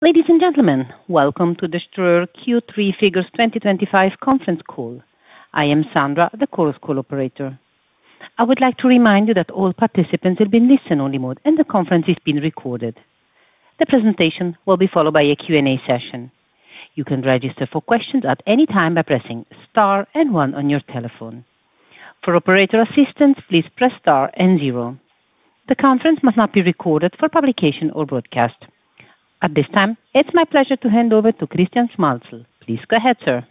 Ladies and gentlemen, welcome to the Ströer Q3 figures 2025 conference call. I am Sandra, the Chorus Call operator. I would like to remind you that all participants will be in listen-only mode and the conference is being recorded. The presentation will be followed by a Q and A session. You can register for questions at any time by pressing one on your telephone. For operator assistance, please press star zero. The conference must not be recorded for publication or broadcast at this time. It's my pleasure to hand over to Christian Schmalzl. Please go ahead, sir.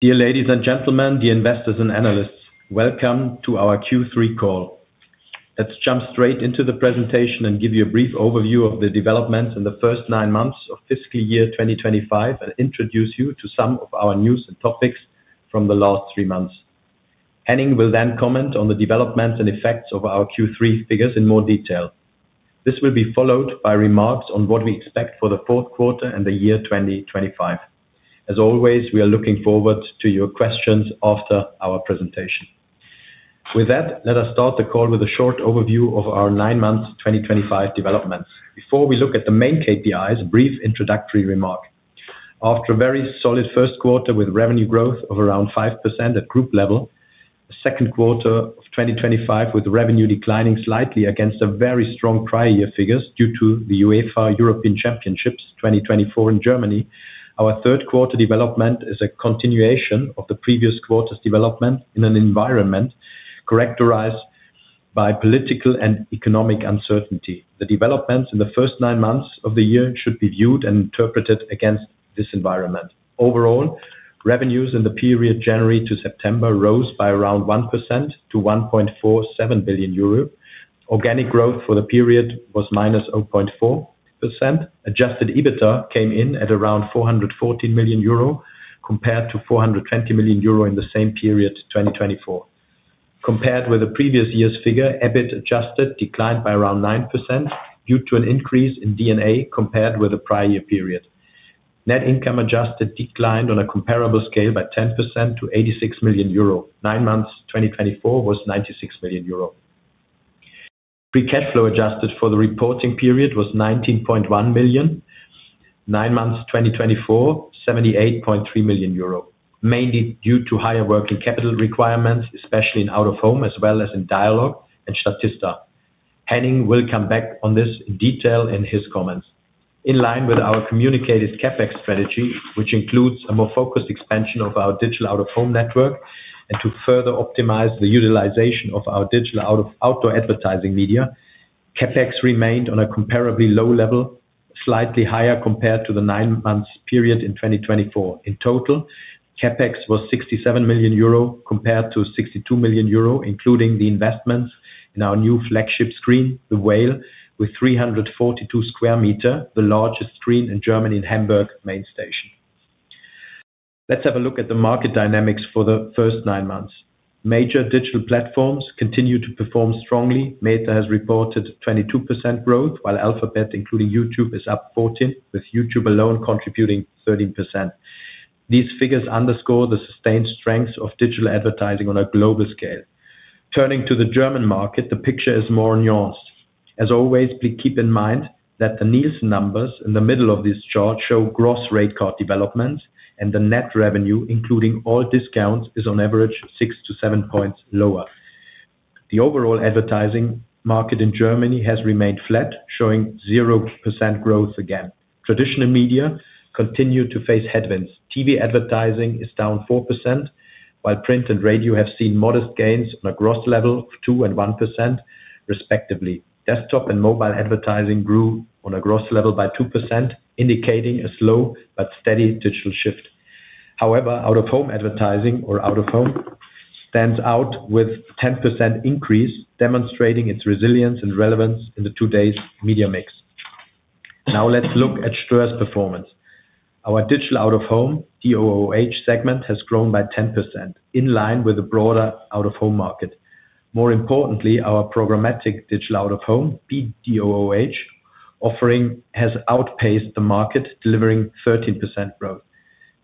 Dear ladies and gentlemen, dear investors and analysts, welcome to our Q3 call. Let's jump straight into the presentation and give you a brief overview of the developments in the first nine months of fiscal year 2025 and introduce you to some of our news and topics from the last three months. Henning will then comment on the developments and effects of our Q3 figures in more detail. This will be followed by remarks on what we expect for the fourth quarter and the year 2025. As always, we are looking forward to your questions after our presentation. With that, let us start the call with a short overview of our nine months 2025 developments before we look at the main KPIs. Brief introductory remarks after a very solid first quarter with revenue growth of around 5% at group level, second quarter of 2025 with revenue declining slightly against very strong prior year figures due to the UEFA European Championship 2024 in Germany, our third quarter development is a continuation of the previous quarter's development in an environment characterized by political and economic uncertainty. The developments in the first nine months of the year should be viewed and interpreted against this environment. Overall revenues in the period January to September rose by around 1% to 1.47 billion euro. Organic growth for the period was -0.4%. Adjusted EBITDA came in at around 414 million euro compared to 420 million euro in the same period 2024. Compared with the previous year's figure, EBIT adjusted declined by around 9% due to an increase in D&A compared with the prior year period. Net income adjusted declined on a comparable scale by 10% to 86 million euro. Nine months 2024 was 96 million euro. Free cash flow adjusted for the reporting period was 19.1 million. Nine months 2024 78.3 million euro mainly due to higher working capital requirements, especially in Out-of-Home as well as in Dialog and Statista. Henning will come back on this in detail in his comments. In line with our communicated CapEx strategy which includes a more focused expansion of our Digital Out-of-Home network and to further optimize the utilization of our digital outdoor advertising media. CapEx remained on a comparably low level, slightly higher compared to the nine months period in 2024. In total, CapEx was 67 million euro compared to 62 million euro including the investments in our new flagship screen, The Whale with 342 sq m, the largest screen in Germany in Hamburg Main Station. Let's have a look at the market dynamics. For the first nine months, major digital platforms continue to perform strongly. Meta has reported 22% growth while Alphabet, including YouTube, is up 14%, with YouTube alone contributing 13%. These figures underscore the sustained strength of digital advertising on a global scale. Turning to the German market, the picture is more nuanced. As always, please keep in mind that the Nielsen numbers in the middle of this chart show gross rate card developments and the net revenue including all discounts is on average 6-7 points lower. The overall advertising market in Germany has remained flat showing 0% growth. Again, traditional media continued to face headwinds. TV advertising is down 4% while print and radio have seen modest gains on a gross level of 2% and 1% respectively. Desktop and mobile advertising grew on a gross level by 2%, indicating a slow but steady digital shift. However, Out-of-Home advertising, or Out-of-Home, stands out with a 10% increase, demonstrating its resilience and relevance in the two days media mix. Now let's look at Ströer's performance. Our Digital Out-of-Home segment has grown by 10% in line with the broader Out-of-Home market. More importantly, our programmatic Digital Out-of-Home offering has outpaced the market, delivering 13% growth.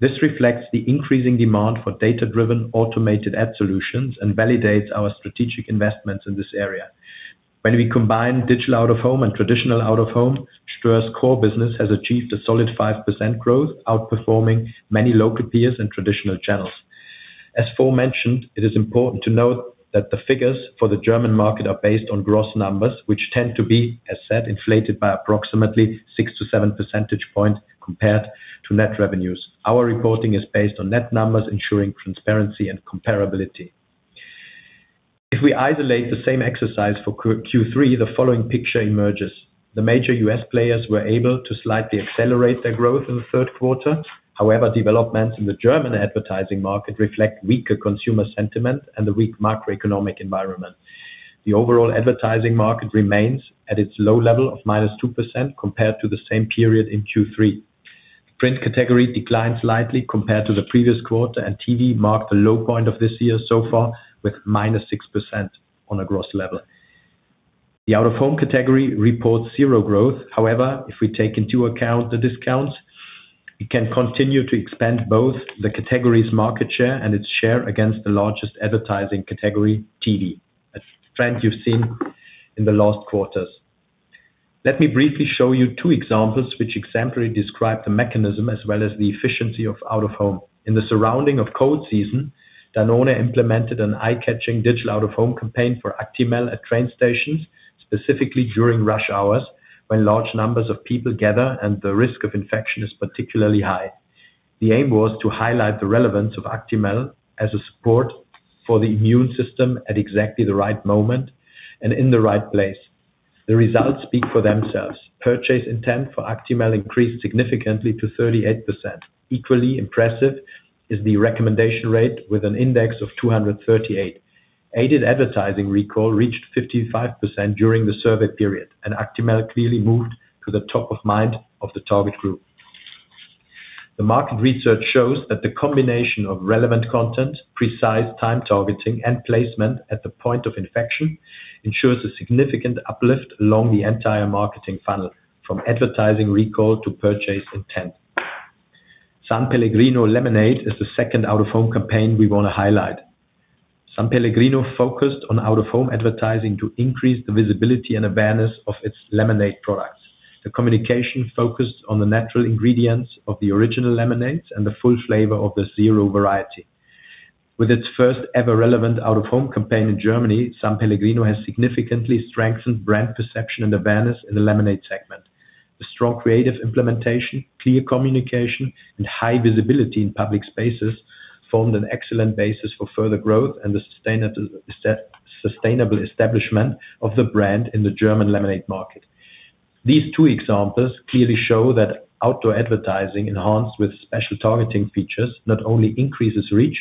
This reflects the increasing demand for data driven automated ad solutions and validates our strategic investments in this area when we combine Digital Out-of-Home and traditional Out-of-Home. Ströer's core business has achieved a solid 5% growth, outperforming many local peers and traditional channels. As mentioned, it is important to note that the figures for the German market are based on gross numbers which tend to be, as said, inflated by approximately 6-7 percentage points compared to net revenues. Our reporting is based on net numbers, ensuring transparency and comparability. If we isolate the same exercise for Q3, the following picture emerges. The major U.S. players were able to slightly accelerate their growth in the third quarter. However, developments in the German advertising market reflect weaker consumer sentiment and the weak macroeconomic environment. The overall advertising market remains at its low level of -2% compared to the same period in Q3. Print category declined slightly compared to the previous quarter and TV marked the low point of this year so far with -6%. On a gross level, the Out-of-Home category reports zero growth. However, if we take into account the discounts, it can continue to expand both the category's market share and its share against the largest advertising category TD, a trend you've seen in the last quarters. Let me briefly show you two examples which exemplary describe the mechanism as well as the efficiency of Out-of-Home in the surrounding of cold season. Danone implemented an eye-catching Digital Out-of-Home campaign for Actimel at train stations, specifically during rush hours when large numbers of people gather and the risk of infection is particularly high. The aim was to highlight the relevance of Actimel as a support for the immune system at exactly the right moment and in the right place. The results speak for themselves. Purchase intent for Actimel increased significantly to 38%. Equally impressive is the recommendation rate with an index of 238. Aided advertising recall reached 55% during the survey period and Actimel clearly moved to the top of mind of the target group. The market research shows that the combination of relevant content, precise time targeting, and placement at the point of infection ensures a significant uplift along the entire marketing funnel from advertising recall to purchase intent. Sanpellegrino Lemonade is the second Out-of-Home campaign we want to highlight. Sanpellegrino focused on Out-of-Home advertising to increase the visibility and awareness of its lemonade products. The communication focused on the natural ingredients of the original lemonade and the full flavor of the zero variety. With its first ever relevant Out-of-Home campaign in Germany, Sanpellegrino has significantly strengthened brand perception and awareness in the lemonade segment. The strong creative implementation, clear communication, and high visibility in public spaces formed an excellent basis for further growth and the sustainable establishment of the brand in the German lemonade market. These two examples clearly show that outdoor advertising enhanced with special targeting features not only increases reach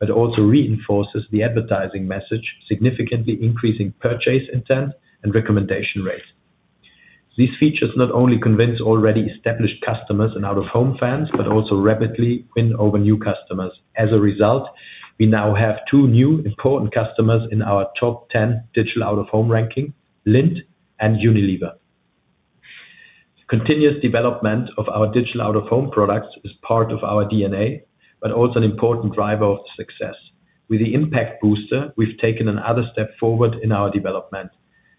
but also reinforces the advertising message, significantly increasing purchase intent and recommendation rate. These features not only convince already established customers and Out-of-Home fans, but also rapidly win over new customers. As a result, we now have two new important customers in our top 10 Digital Out-of-Home ranking, Lindt and Unilever. Continuous development of our Digital Out-of-Home products is part of our DNA but also an important driver of success with the Impact Booster. We've taken another step forward in our development.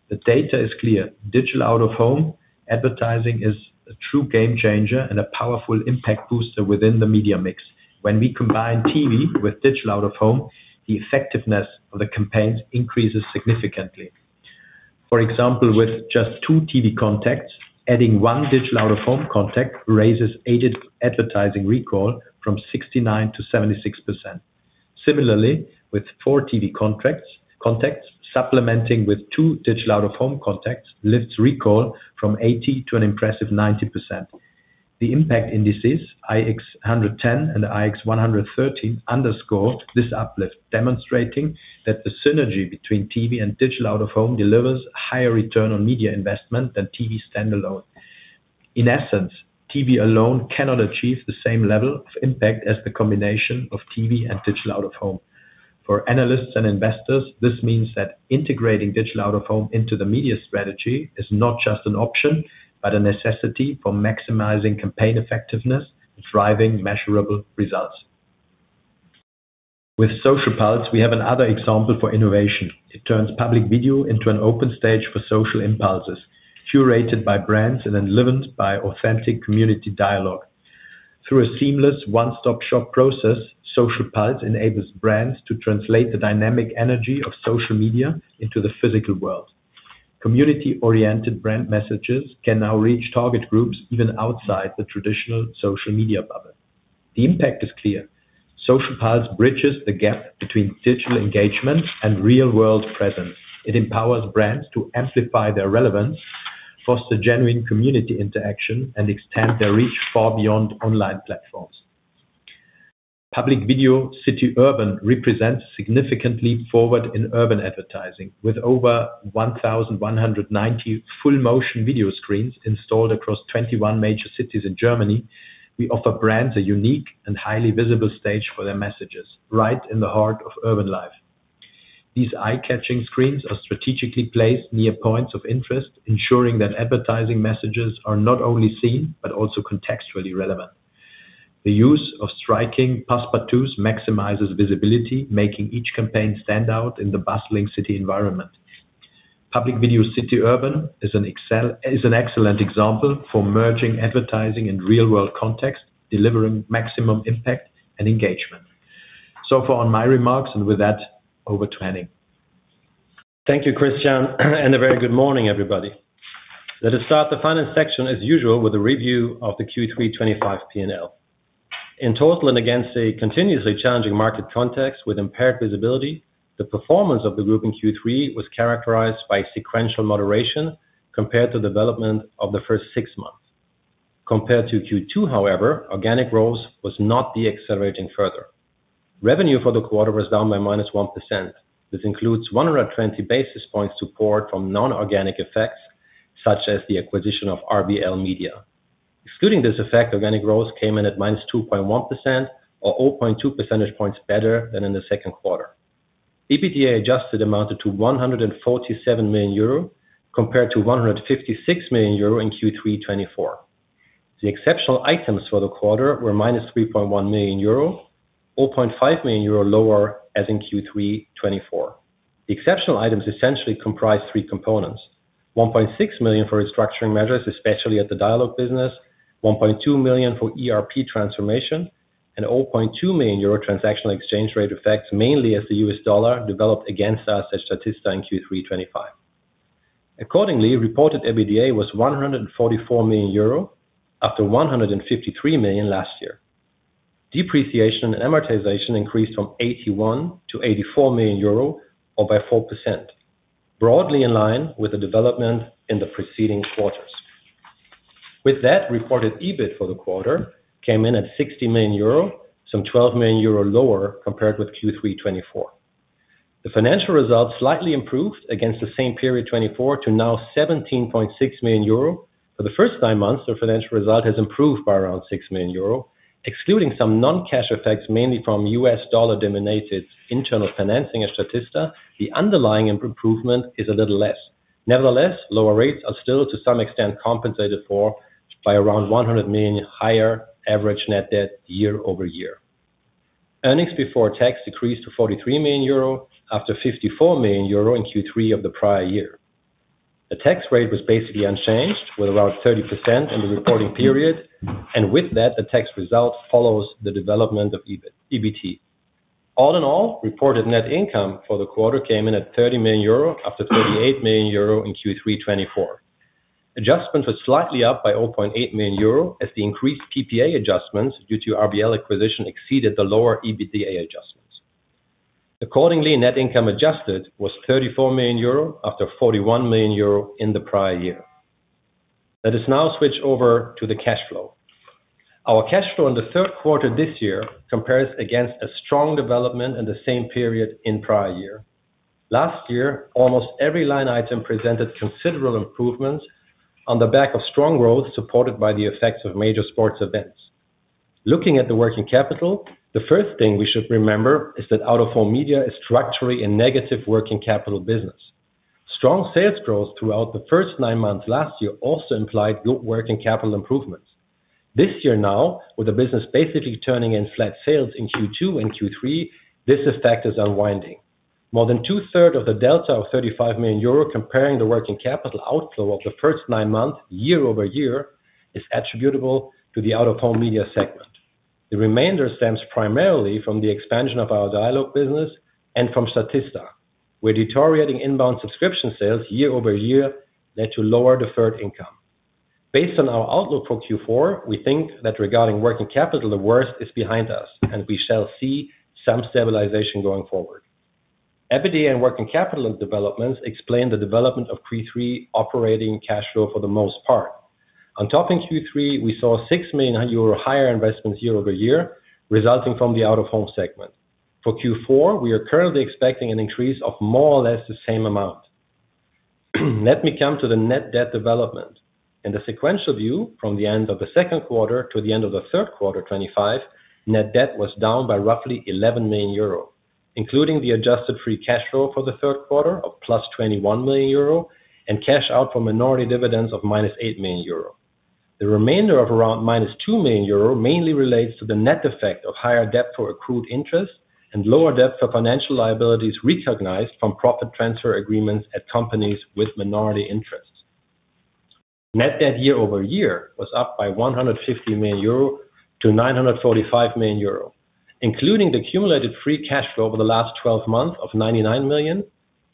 The data is clear. Digital Out-of-Home advertising is a true game changer and a powerful impact booster within the media mix. When we combine TV with Digital Out-of-Home, the effectiveness of the campaigns increases significantly. For example, with just two TV contacts, adding one Digital Out-of-Home contact raises aided advertising recall from 69% to 76%. Similarly, with four TV contacts, supplementing with two Digital Out-of-Home contacts lifts recall from 80% to an impressive 90%. The impact indices IX110 and IX113 underscore this uplift, demonstrating that the synergy between TV and Digital Out-of-Home delivers higher return on media investment than TV standalone. In essence, TV alone cannot achieve the same level of impact as the combination of TV and Digital Out-of-Home. For analysts and investors, this means that integrating Digital Out-of-Home into the media strategy is not just an option, but a necessity for maximizing campaign effectiveness, driving measurable results. With Social Pulse, we have another example for innovation. It turns public video into an open stage for social impulses. Curated by brands and enlivened by authentic community dialog. Through a seamless one stop shop process, Social Pulse enables brands to translate the dynamic energy of social media into the physical world. Community oriented brand messages can now reach target groups even outside the traditional social media bubble. The impact is clear. Social Pulse bridges the gap between digital engagement and real world presence. It empowers brands to amplify their relevance, foster genuine community interaction, and extend their reach far beyond online platforms. Public Video City urban represents a significant leap forward in urban advertising. With over 1,190 full motion video screens installed across 21 major cities in Germany, we offer brands a unique and highly visible stage for their messages right in the heart of urban life. These eye catching screens are strategically placed near points of interest, ensuring that advertising messages are not only seen but also contextually relevant. The use of striking passepartouts maximizes visibility, making each campaign stand out in the bustling city environment. Public Video City urban is an excellent example for merging advertising in real world context, delivering maximum impact and engagement. So far on my remarks and with that over to Henning. Thank you Christian and a very good morning everybody. Let us start the final section as usual with a review of the Q3 2025 P&L in total and against a continuously challenging market context with impaired visibility. The performance of the group in Q3 was characterized by sequential moderation compared to development of the first six months. Compared to Q2, however, organic growth was not de-accelerating further. Revenue for the quarter was down by -1%. This includes 120 basis points to pour from non-organic effects such as the acquisition of RBL Media. Excluding this effect, organic growth came in at -2.1% or 0.2 percentage points better than in the second quarter. EBITDA adjusted amounted to 147 million euro compared to 156 million euro in Q3 2024. The exceptional items for the quarter were -3.1 million euro or 0.5 million euro lower as in Q3 2024. The exceptional items essentially comprise three components, 1.6 million for restructuring measures, especially at the Dialog business, 1.2 million for ERP transformation, and 0.2 million euro transactional exchange rate effects mainly as the U.S. dollar developed against us at Statista in Q3 2025. Accordingly, reported EBITDA was 144 million euro, up to 153 million last year. Depreciation and amortization increased from 81 million to 84 million euro, or by 4%, broadly in line with the development in the preceding quarters. With that reported EBIT for the quarter. Came in at 60 million euro, some 12 million euro lower compared with Q3 2024. The financial results slightly improved against the same period 2024 to now 17.6 million euro. For the first nine months the financial result has improved by around 6 million euro excluding some non-cash effects mainly from U.S. dollar dominated internal financing. At Statista the underlying improvement is a little less. Nevertheless, lower rates are still to some extent compensated for by around 100 million higher average net debt year-over-year. Earnings before tax decreased to 43 million euro after 54 million euro in Q3 of the prior year. The tax rate was basically unchanged with around 30% in the reporting period and with that the tax result follows the development of EBITDA. All in all, reported net income for the quarter came in at 30 million euro after 38 million euro in Q3. Adjustments were slightly up by 0.8 million euro as the increased PPA adjustments due to the RBL acquisition exceeded the lower EBITDA adjustments. Accordingly, net income adjusted was 34 million euro after 41 million euro in the prior year. Let us now switch over to the cash flow. Our cash flow in the third quarter this year compares against a strong development in the same period in the prior year. Last year almost every line item presented considerable improvements on the back of strong growth supported by the effects of major sports events. Looking at the working capital, the first thing we should remember is that Out-of-Home media is structurally a negative working capital business. Strong sales growth throughout the first nine months last year also implied good working capital improvements this year. Now with the business basically turning in flat sales in Q2 and Q3, this effect is unwinding more than two-thirds of the delta of 35 million euro. Comparing the working capital outflow of the first nine months year-over-year is attributable to the Out-of-Home media segment. The remainder stems primarily from the expansion of our Dialog business and from Statista, where deteriorating inbound subscription sales year-over-year led to lower deferred income. Based on our outlook for Q4, we think that regarding working capital the worst is behind us and we shall see some stabilization going forward. EBITDA and working capital developments explain the development of Q3 operating cash flow for the most part. On top, in Q3 we saw 6 million euro higher investments year-over-year resulting from the Out-of-Home segment. For Q4 we are currently expecting an increase of more or less the same amount. Let me come to the net debt development in the sequential view. From the end of the second quarter to the end of the third quarter 2025 net debt was down by roughly 11 million euro including the adjusted free. Cash flow for the third quarter. Of +21 million euro and cash out for minority dividends of -8 million euro. The remainder of around -2 million euro mainly relates to the net effect of higher debt for accrued interest and lower debt for financial liabilities recognized from profit transfer agreements at companies with minority interests. Net debt year-over-year was up by 150 million euro to 945 million euro including the accumulated free cash flow over the last 12 months of 99 million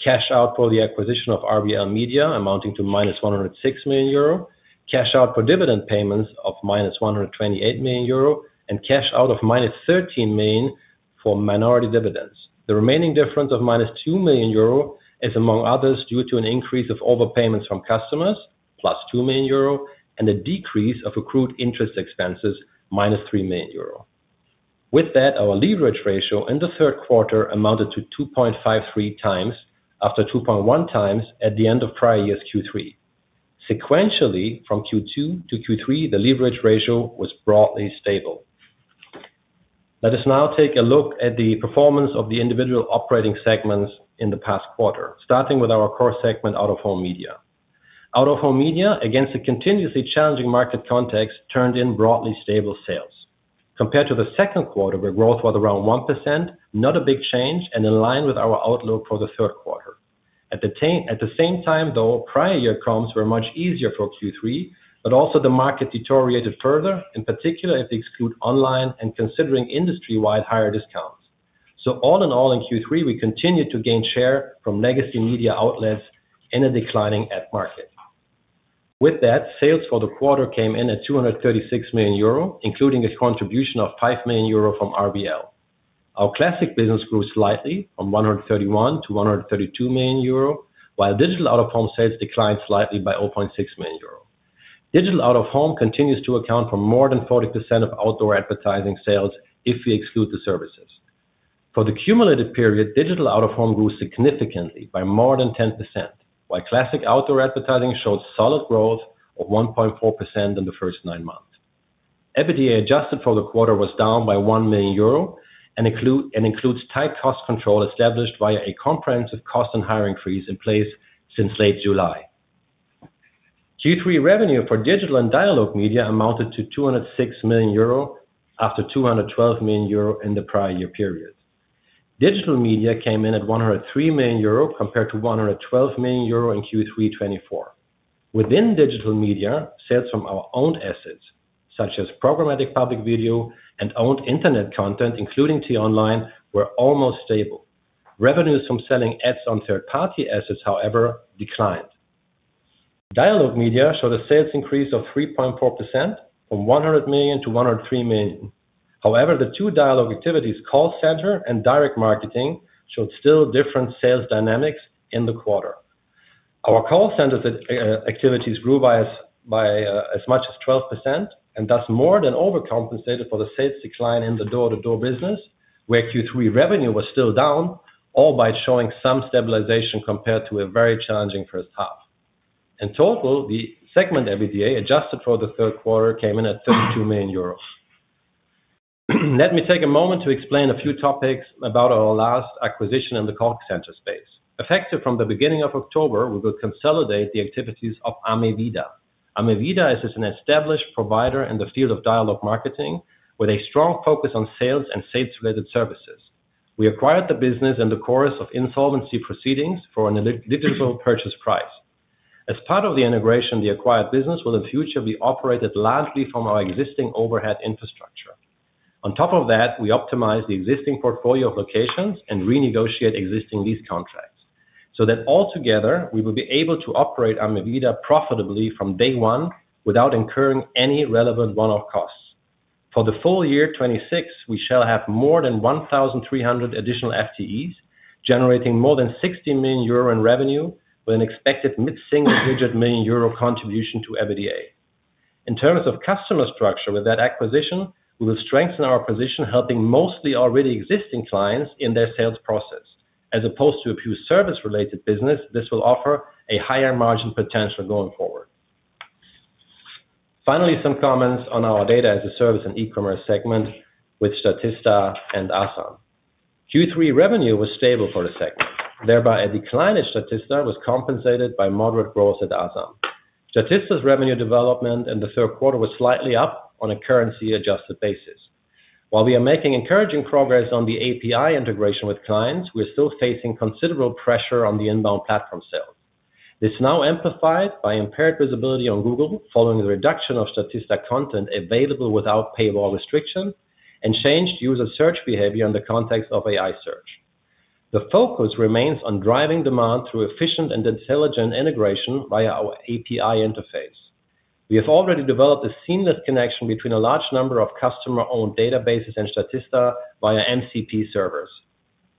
cash out for the acquisition of RBL Media amounting to -106 million euro, cash out for dividend payments of -128 million euro and cash out of -13 million for minority dividends. The remaining difference of -2 million euro is among others due to an increase of overpayments from customers +2 million euro and a decrease of accrued interest expenses -3 million euro. With that, our leverage ratio in the third quarter amounted to 2.53x after 2.1x at the end of prior year's Q3. Sequentially from Q2 to Q3, the leverage ratio was broadly stable. Let us now take a look at the performance of the individual operating segments in the past quarter, starting with our core segment Out-of-Home media. Out-of-Home media, against a continuously challenging market context, turned in broadly stable sales compared to the second quarter where growth was around 1%. Not a big change and in line with our outlook for the third quarter. At the same time, though, prior year comps were much easier for Q3, but also the market deteriorated further, in particular if they exclude online and considering industry wide higher discounts. All in all, in Q3 we continued to gain share from legacy media outlets in a declining ad market. With that, sales for the quarter came in at 236 million euro, including a contribution of 5 million euro from RBL. Our classic business grew slightly from 131 million to 132 million euro while Digital Out-of-Home sales declined slightly by 0.6 million euro. Digital Out-of-Home continues to account for more than 40% of outdoor advertising sales. If we exclude the services for the cumulative period, Digital Out-of-Home grew significantly by more than 10% while classic outdoor advertising showed solid growth of 1.4% in the first nine months. EBITDA adjusted for the quarter was down by 1 million euro and includes tight cost control established via a comprehensive cost and hiring freeze in place since late July. Q3 revenue for Digital & Dialog Media amounted to 206 million euro after 212 million euro in the prior year period. Digital media came in at 103 million euro compared to 112 million euro in Q3 2024. Within digital media, sales from our own assets such as programmatic public video and owned internet content including t-online were almost stable. Revenues from selling ads on third party assets, however, declined. Dialog Media showed a sales increase of 3.4% from 100 million to 103 million. However, the two Dialog activities, call center and direct marketing, showed still different sales dynamics. In the quarter, our call center activities grew by as much as 12% and thus more than overcompensated for the sales decline in the door-to-door business where Q3 revenue was still down, although showing some stabilization compared to a very challenging first half. In total, the segment EBITDA adjusted for the third quarter came in at 32 million euros. Let me take a moment to explain a few topics about our last acquisition in the call center space. Effective from the beginning of October, we will consolidate the activities of AMEVIDA. AMEVIDA is an established provider in the field of dialog marketing with a strong focus on sales and sales related services. We acquired the business in the course of insolvency proceedings for an eligible purchase price. As part of the integration, the acquired business will in future be operated largely from our existing overhead infrastructure. On top of that, we optimize the existing portfolio of locations and renegotiate existing lease contracts so that altogether we will be able to operate AMEVIDA profitably from day one without incurring any relevant one-off costs. For the full year 2026, we shall have more than 1,300 additional FTEs generating more than 60 million euro in revenue with an expected mid single-digit million euro contribution to EBITDA. In terms of customer structure, with that acquisition we will strengthen our position helping mostly already existing clients in their sales process as opposed to a pure service-related business. This will offer a higher margin potential going forward. Finally, some comments on our data as a service and e-commerce segment with Statista and Asam. Q3 revenue was stable for the segment, thereby a decline in Statista was compensated by moderate growth at Asam. Statista's revenue development in the third quarter was slightly up on a currency adjusted basis. While we are making encouraging progress on the API integration with clients, we're still facing considerable pressure on the inbound platform sales, this now amplified by impaired visibility on Google. Following the reduction of Statista content available without paywall restriction and changed user search behavior in the context of AI search, the focus remains on driving demand through efficient and intelligent integration via our API interface. We have already developed a seamless connection between a large number of customer owned databases and Statista via MCP servers.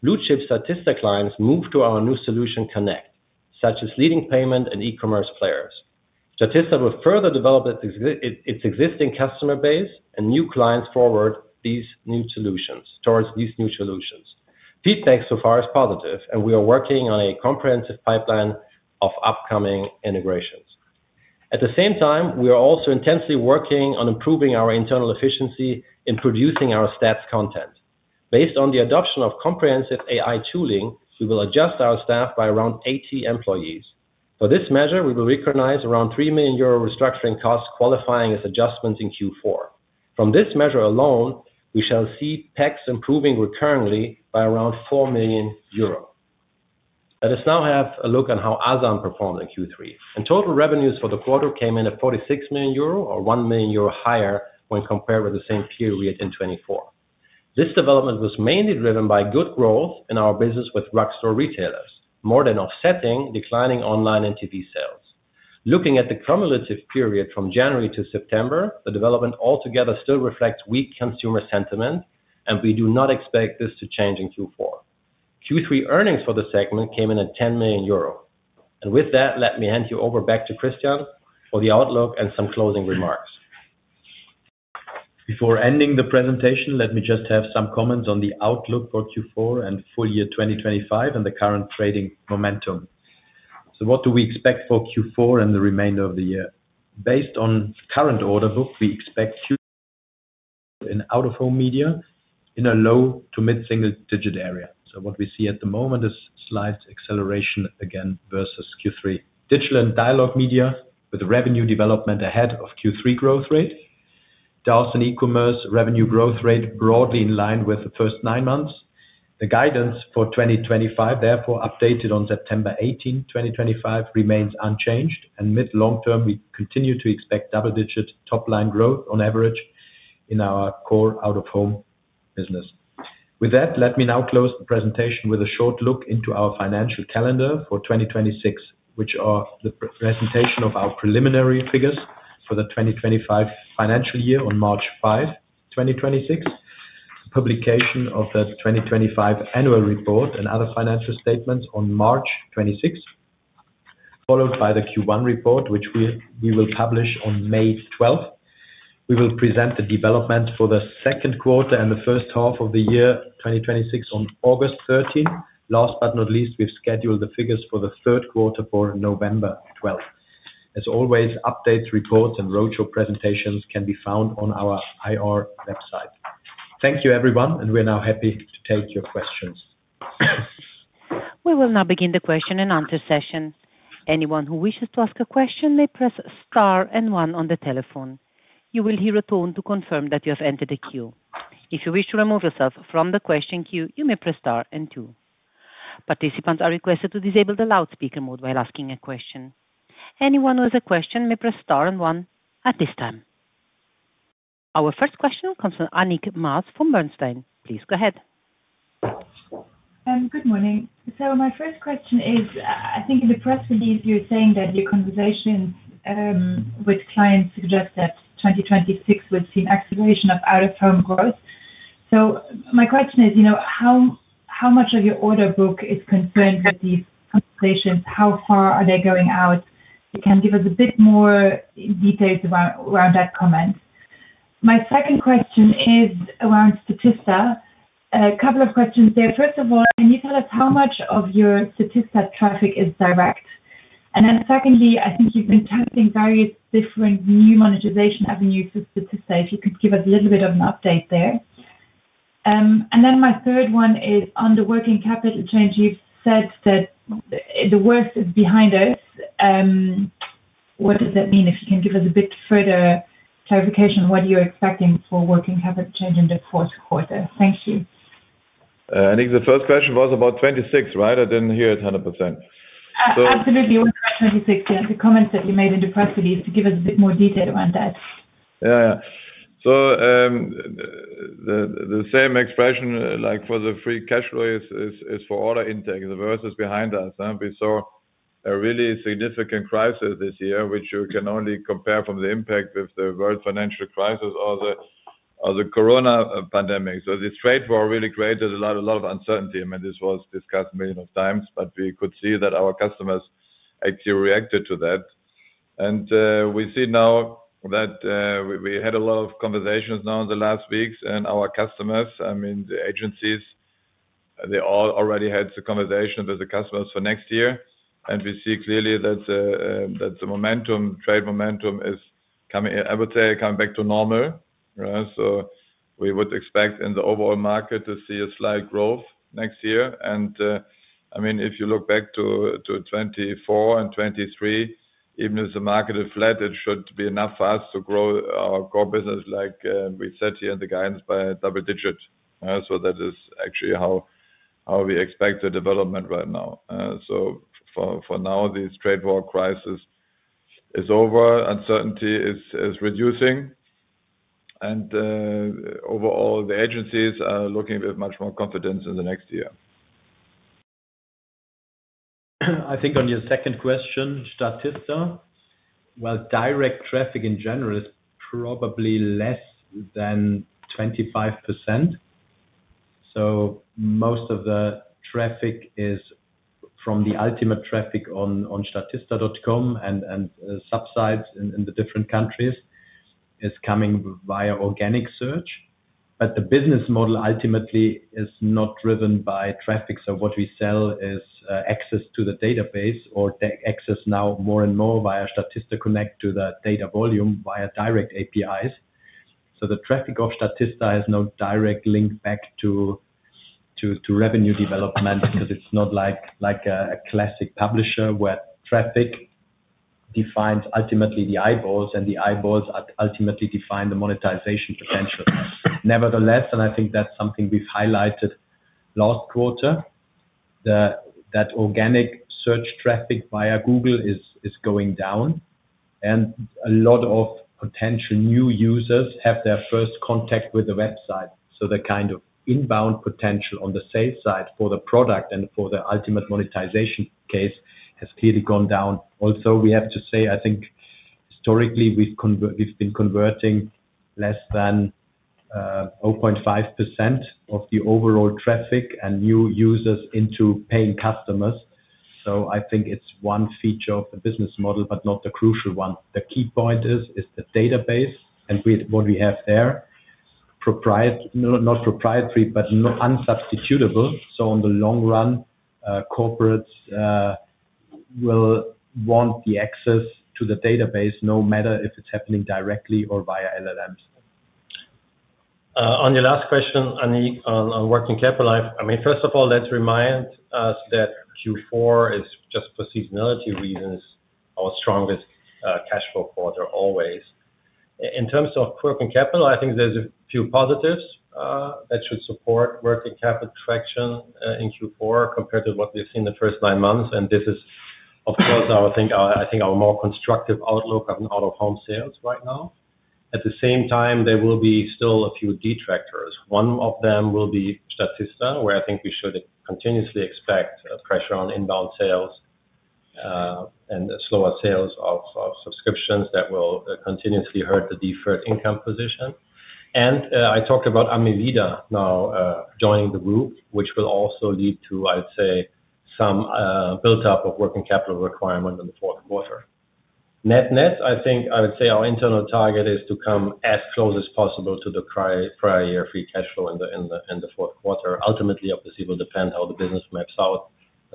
Blue chip Statista clients move to our new solution Connect such as leading payment and E-commerce players. Statista will further develop its existing customer base and new clients forward these new solutions. Towards these new solutions, feedback so far is positive and we are working on a comprehensive pipeline of upcoming integrations. At the same time, we are also intensely working on improving our internal efficiency in producing our stats content based on the adoption of comprehensive AI tooling. We will adjust our staff by around 80 employees for this measure. We will recognize around 3 million euro restructuring costs qualifying as adjustments in Q4. From this measure alone we shall see PACS improving recurrently by around 4 million euro. Let us now have a look at how Asam performed in Q3 and total revenues for the quarter came in at 46 million euro or 1 million euro higher when compared with the same period in 2024. This development was mainly driven by good growth in our business with drugstore retailers more than offsetting declining online and TV sales. Looking at the cumulative period from January to September, the development altogether still reflects weak consumer sentiment and we do not expect this to change in Q4. Q3 earnings for the segment came in at 10 million euro and with that let me hand you over back to Christian for the outlook and some closing remarks. Before ending the presentation. Let me just have some comments on the outlook for Q4 and full year 2025 and the current trading momentum. What do we expect for Q4 and the remainder of the year? Based on current order book we expect in Out-of-Home media in a low to mid single digit area. What we see at the moment is slight acceleration again versus Q3 Digital & Dialog Media with revenue development ahead of Q3 growth rate, dals and E Commerce revenue growth rate broadly in line with the first nine months. The guidance for 2025 therefore updated on September 18, 2025 remains unchanged and mid long term we continue to expect double digit top line growth on average in our core Out-of-Home business. With that, let me now close the presentation with a short look into our financial calendar for 2026 which are the presentation of our preliminary figures for the 2025 financial year on March 5, 2026, publication of the 2025 annual report and other financial statements on March 26 followed by the Q1 report which we will publish on May 12. We will present the development for the second quarter and the first half of the year 2026 on August 13. Last but not least, we've scheduled the figures for the third quarter for November 12. As always, updates, reports and roadshow presentations can be found on our IR website. Thank you everyone and we're now happy to take your questions. We will now begin the question and answer session. Anyone who wishes to ask a question may press star and one on the telephone. You will hear a tone to confirm that you have entered the queue. If you wish to remove yourself from the question queue, you may press star and two. Participants are requested to disable the loudspeaker mode while asking a question. Anyone who has a question may press star and one at this time. Our first question comes from Annick Maas from Bernstein. Please go ahead. Good morning. My first question is, I think in the press release you're saying that your conversation with clients suggest that 2026 would see an acceleration of Out-of-Home growth. My question is, you know, how much of your order book is concerned with these conversations? How far are they going out? You can give us a bit more details around that comment. My second question is around Statista. A couple of questions there. First of all, can you tell us how much of your Statista traffic is direct? And then secondly, I think you've been testing various different new monetization avenues for Statista. If you could give us a little bit of an update there. My third one is on the working capital change. You've said that the worst is behind us. What does that mean? If you can give us a bit further clarification what you're expecting for working capital change in the fourth quarter. Thank you. I think the first question was about 2026. Right? I didn't hear it 100%. Absolutely. The comments that you made in the press release to give us a bit more detail around that. Yeah. The same expression like for the free cash flow is for order intake. The versus behind us, we saw a really significant crisis this year which you can only compare from the impact of the world financial crisis or the corona pandemic. The trades were really great. There's a lot of uncertainty. I mean this was discussed millions of times. We could see that our customers actually reacted to that. We see now that we had a lot of conversations in the last weeks and our customers, I mean the agencies, they all already had the conversation with the customers for next year and we see clearly that the momentum, trade momentum is coming, I would say come back to normal. Right? We would expect in the overall market to see a slight growth next year. I mean if you look back to 2024 and 2023, even if the market is flat, it should be enough for us to grow our core business like we said here in the guidance by double digit. That is actually how we expect the development right now. For now these trade war crisis is over, uncertainty is reducing and overall the agencies are looking with much more confidence in the next year. I think on your second question, Statista, well, direct traffic in general is probably less than 25%. Most of the traffic from the ultimate traffic on statista.com and subsites in the different countries is coming via organic search. The business model ultimately is not driven by traffic. What we sell is access to the database or access now more and more via Statista Connect to the data volume via direct APIs. The traffic of Statista has no direct link back to revenue development because it is not like a classic publisher where traffic defines ultimately the eyeballs and the eyeballs ultimately define the monetization potential. Nevertheless, and I think that is something we have highlighted last quarter, organic search traffic via Google is going down and a lot of potential new users have their first contact with the website. The kind of inbound potential on the sales side for the product and for the ultimate monetization case has clearly gone down. Also we have to say I think historically we've been converting less than 0.5% of the overall traffic and new users into paying customers. I think it's one feature of the business model but not the crucial one. The key point is the database and what we have there. Not proprietary but unsubstitutable. In the long run corporates will want the access to the database no matter if it's happening directly or via LLMs. On your last question Anique on working capital life. I mean first of all let's remind us that Q4 is just for seasonality reasons, our strongest cash flow quarter always in terms of working capital. I think there's a few positives that should support working capital traction in Q4 compared to what we've seen the first nine months. This is of course I think our more constructive outlook on Out-of-Home sales right now. At the same time there will be still a few detractors. One of them will be Statista where I think we should continuously expect pressure on inbound sales and slower sales of subscriptions that will continuously hurt the deferred income position. I talked about AMEVIDA now joining the group which will also lead to I'd say some build up of working capital requirement in the fourth quarter. Net net. I think I would say our internal target is to come as close as possible to the prior year free cash flow in the fourth quarter. Ultimately, obviously, it will depend how the business maps out.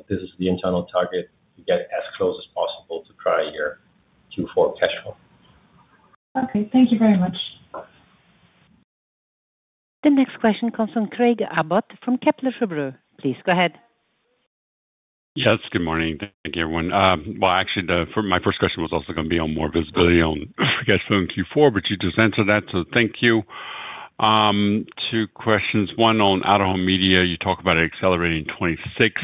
This is the internal target to get as close as possible to prior year Q4 cash flow. Okay, thank you very much. The next question comes from Craig Abbott from Kepler Cheuvreux, please go ahead. Yes, good morning. Thank you everyone. Actually my first question was also going to be on more visibility on guest phone Q4 but you just answered that so thank you. Two questions. One on Out-of-Home media, you talk about accelerating 2026.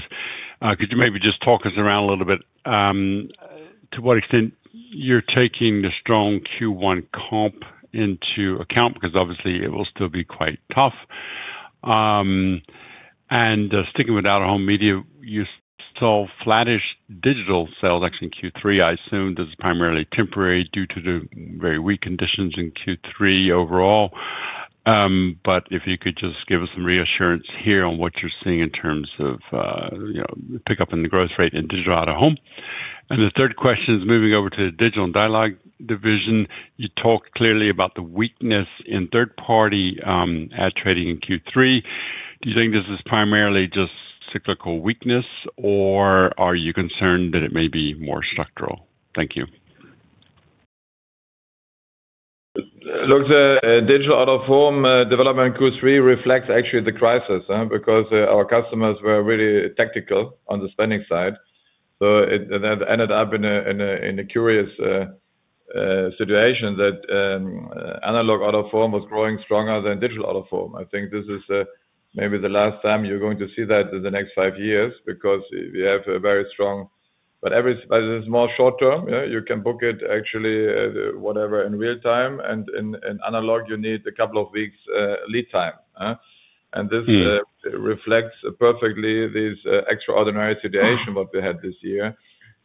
Could you maybe just talk us around a little bit to what extent you're taking the strong Q1 comp into account because obviously it will still be quite tough. Sticking with Out-of-Home media, you saw flattish digital sales actually in Q3. I assumed this is primarily temporary due to the very weak conditions in Q3 overall. If you could just give us some reassurance here on what you're seeing in terms of pick up in the growth rate in Digital Out-of-Home. The third question is moving over to Digital & Dialog division. You talked clearly about the weakness in third party ad trading in Q3. Do you think this is primarily just cyclical weakness or are you concerned that it may be more structural? Thank you. Look, the Digital Out-of-Home development group three reflects actually the crisis because our customers' customers were really tactical on the spending side. That ended up in a curious situation that analog Out-of-Home was growing stronger than Digital Out-of-Home. I think this is maybe the last time you're going to see that in the next five years because we have a very strong, but it's more short term. You can book it actually whatever in real time, and in analog you need a couple of weeks lead time. This reflects perfectly these extraordinary situation what we had this year.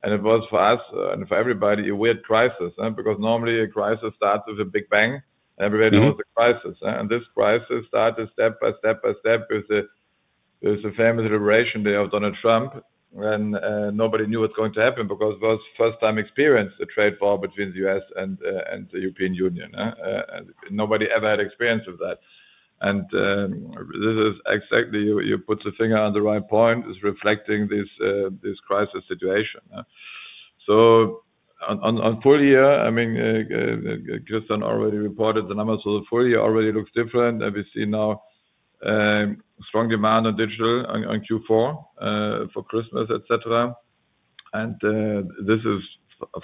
It was for us and for everybody a weird crisis. Because normally a crisis starts with a big bang. Everybody knows the crisis and this crisis started step by step with the famous liberation day of Donald Trump when nobody knew what's going to happen because it was first time experience the trade war between the U.S. and the European Union. Nobody ever had experience of that. This is exactly you put the finger on the right point is reflecting this crisis situation. On full year, I mean Christian already reported the numbers of the full year already looks different. We see now strong demand on digital, on Q4, for Christmas etc. This is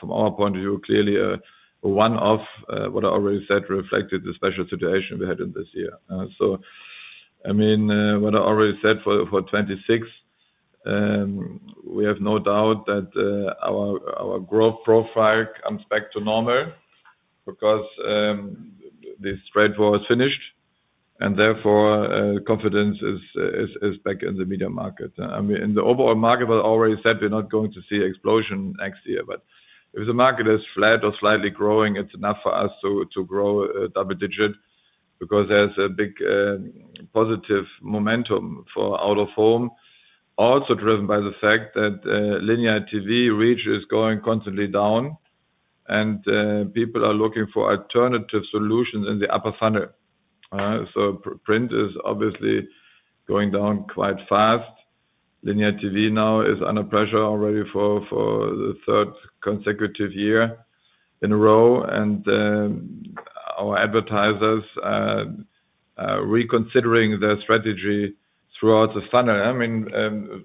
from our point of view clearly one off. What I already said reflected the special situation we had in this year. I mean what I already said for 2026, we have no doubt that our growth profile comes back to normal because this trade war is finished and therefore confidence is back in the media market. I mean the overall market was already said we're not going to see explosion next year. If the market is flat or slightly growing, it's enough for us to grow double digit because there's a big positive momentum for Out-of-Home also driven by the fact that linear TV reach is going constantly down and people are looking for alternative solutions in the upper funnel. Print is obviously going down quite fast. Linear TV now is under pressure already for the third consecutive year in a row and our advertisers reconsidering their strategy throughout the funnel.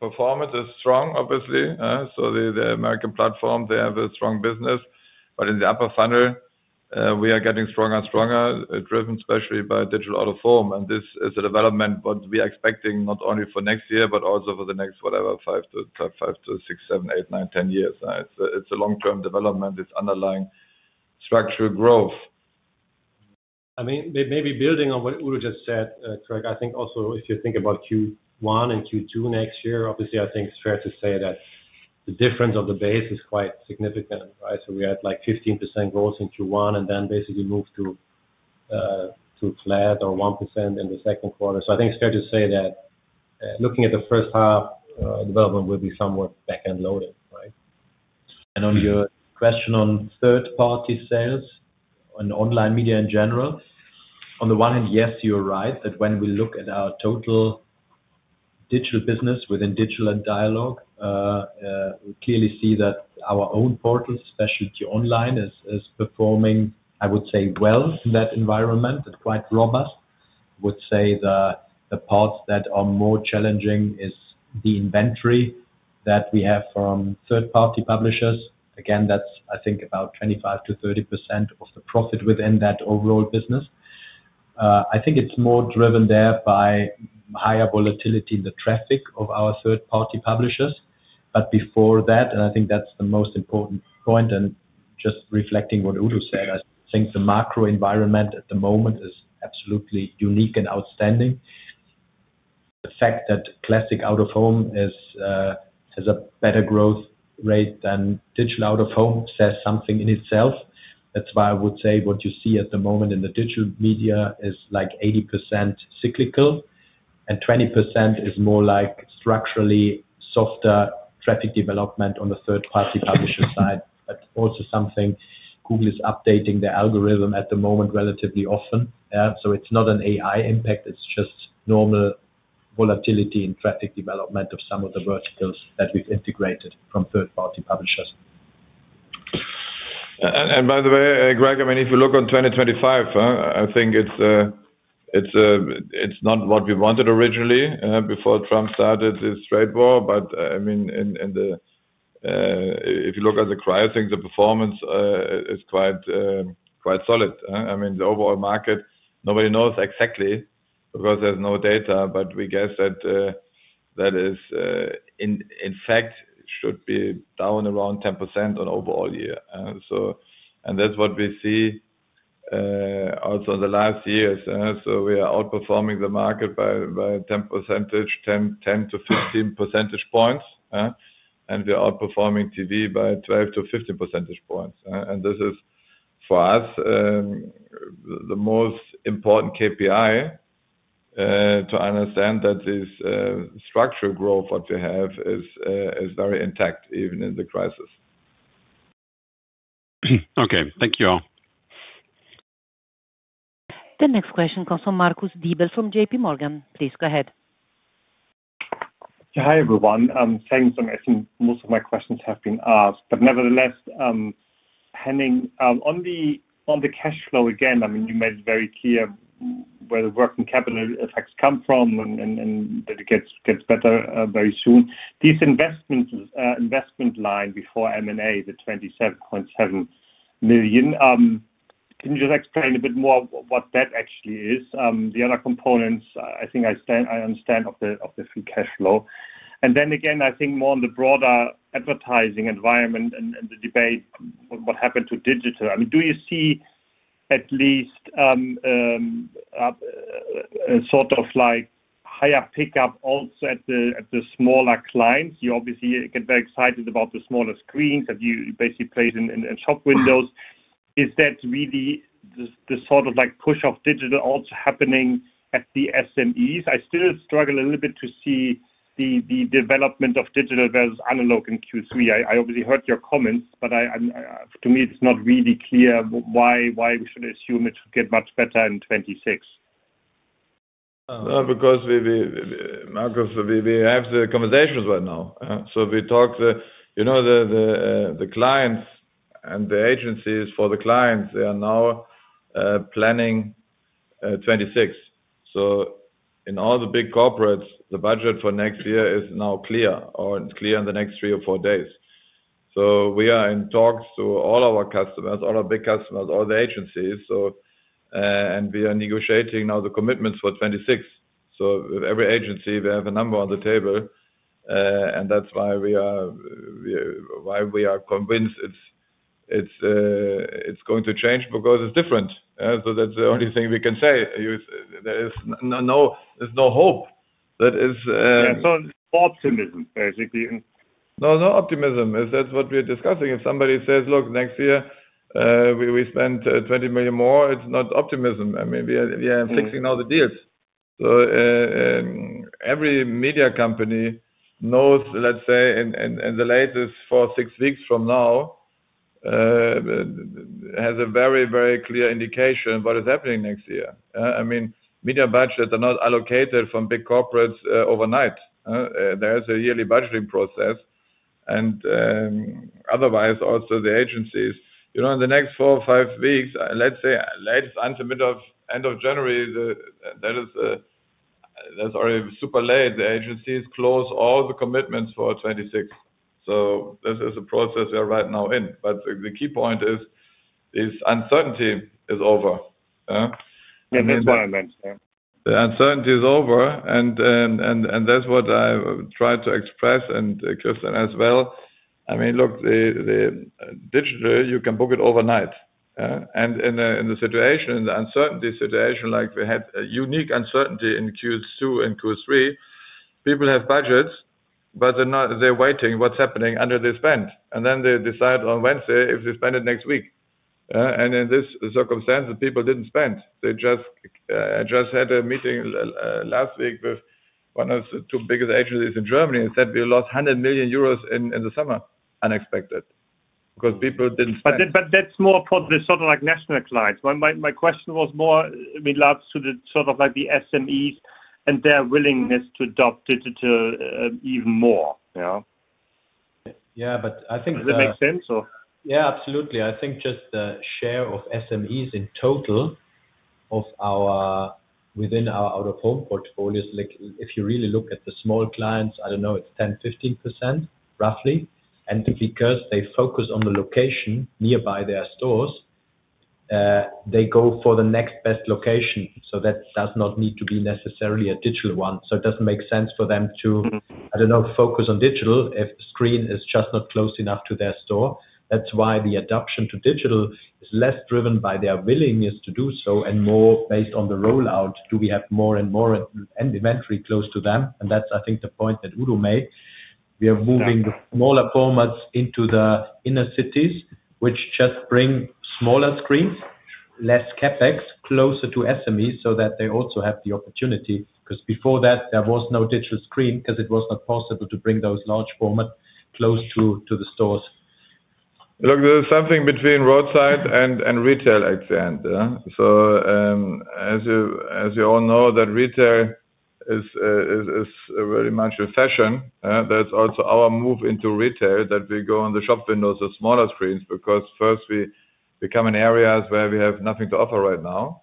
Performance is strong obviously, so the American platform, they have a strong business. In the upper funnel we are getting stronger and stronger, driven especially by Digital Out-of-Home. This is a development that we are expecting not only for next year, but also for the next, whatever, five to six, seven, eight, nine, 10 years. It is a long-term development. It is underlying structural growth. I mean maybe building on what Udo just said. Craig, I think also if you think about Q1 and Q2 next year, obviously I think it's fair to say that the difference of the base is quite significant. So we had like 15% growth in Q1 and then basically moved to flat or 1% in the second quarter. I think it's fair to say that looking at the first half development will be somewhat back end loaded. Right? On your question on third party sales and online media in general, on the one hand, yes, you're right, that when we look at our total digital business within Digital & Dialog, we clearly see that our own portal specialty online is performing, I would say, well in that environment. Quite robust. I would say the parts that are more challenging is the inventory that we have from third party publishers. Again, that's, I think, about 25%-30% of the profit within that overall business. I think it's more driven there by higher volatility in the traffic of our third party publishers. Before that, and I think that's the most important point and just reflecting what Udo said, I think the macro environment at the moment is absolutely unique and outstanding. The fact that classic Out-of-Home has a better growth rate than Digital Out-of-Home says something in itself. That is why I would say what you see at the moment in the digital media is like 80% cyclical and 20% is more like structurally softer traffic development on the third-party publisher side, but also something Google is updating the algorithm at the moment relatively often. It is not an AI impact, it is just normal volatility and traffic development of some of the verticals that we have integrated from third-party publishers. By the way, Craig, I mean if you look on 2025, I think it's not what we wanted originally before Trump started this trade war. I mean if you look at the cry, I think the performance is quite solid. I mean the overall market nobody knows exactly because there's no data. We guess that in fact should be down around 10% on overall year. That's what we see also the last year. We are outperforming the market by 10-15 percentage points and we are performing TV by 12-15 percentage points. This is for us the most important KPI to understand that this structural growth, what we have is very intact, even in the crisis. Okay, thank you all. The next question comes from Marcus Diebel from JPMorgan. Please go ahead. Hi everyone. Thanks. I think most of my questions have been asked but nevertheless penning on the cash flow again, I mean you made it very clear where the working capital effects come from and that it gets better very soon. This investment line before M&A, the 27th. Can you just explain a bit more what that actually is? The other components I think I understand of the free cash flow and then again I think more on the broader advertising environment and the debate. What happened to digital? I mean do you see at least sort of like higher pickup also at the smaller clients? You obviously get very excited about the smaller screens that you basically place in shop windows. Is that really the sort of like push of digital also happening at the SMEs? I still struggle a little bit to see the development of digital versus analog in Q3. I obviously heard your comments, but to me it's not really clear why we should assume it should get much better in 2026. Because Marcus, we have the conversations right now. We talked, you know, the clients and the agencies for the clients, they are now planning 2026. In all the big corporates, the budget for next year is now clear or clear in the next three or four days. We are in talks to all our customers, all our big customers, all the agencies, and we are negotiating now the commitments for 2026. Every agency, we have a number on the table. That is why we are convinced it is going to change because it is different. That is the only thing we can say. There is no hope. That is optimism, basically. No, no optimism. That's what we're discussing. If somebody says look, next year we spend 20 million more, it's not optimism. I mean we are fixing all the deals. So every media company knows, let's say in the latest 4-6 weeks from now, has a very, very clear indication what is happening next year. I mean media budget are not allocated from big corporates overnight. There is a yearly budgeting process and otherwise also the agencies, you know, in the next four or five weeks, let's say, let's unsubscribe end of January, that is, that's already super late. The agencies close all the commitments for 2026. This is a process we are right now in. The key point is this uncertainty is over. The uncertainty is over. And that's what I try to express. And Christian as well. I mean look, the digital, you can book it overnight. In the situation, the uncertainty situation, like we had a unique uncertainty in Q2 and Q3. People have budgets but they're waiting what's happening under this spend and then they decide on Wednesday if they spend it next week. In this circumstance the people didn't spend. I just had a meeting last week with one of the two biggest agencies in Germany and said we lost 100 million euros in the summer. Unexpected because people didn't. That is more for the sort of like national clients. My question was more related to the sort of like the SMEs and their willingness to adopt digital even more. Yeah. Yeah. I think. Does it make sense or. Yeah, absolutely. I think just the share of SMEs in total of our, within our Out-of-Home portfolios, like if you really look at the small clients, I don't know, it's 10%-15% roughly. Because they focus on the location nearby their stores, they go for the next best location. That does not need to be necessarily a digital one. It doesn't make sense for them to, I don't know, focus on digital if the screen is just not close enough to their store. That's why the adoption to digital is less driven by their willingness to do so and more based on the rollout. Do we have more and more and eventually close to them? That's, I think, the point that Udo made. We are moving the smaller formats into the inner cities which just bring smaller screens, less CapEx closer to SMEs so that they also have the opportunity because before that there was no digital screen because it was not possible to bring those large formats close to the stores. Look, there's something between roadside and retail at the end. As you all know, retail is very much a fashion. That's also our move into retail, that we go on the shop windows of smaller screens because first, we become an area where we have nothing to offer right now.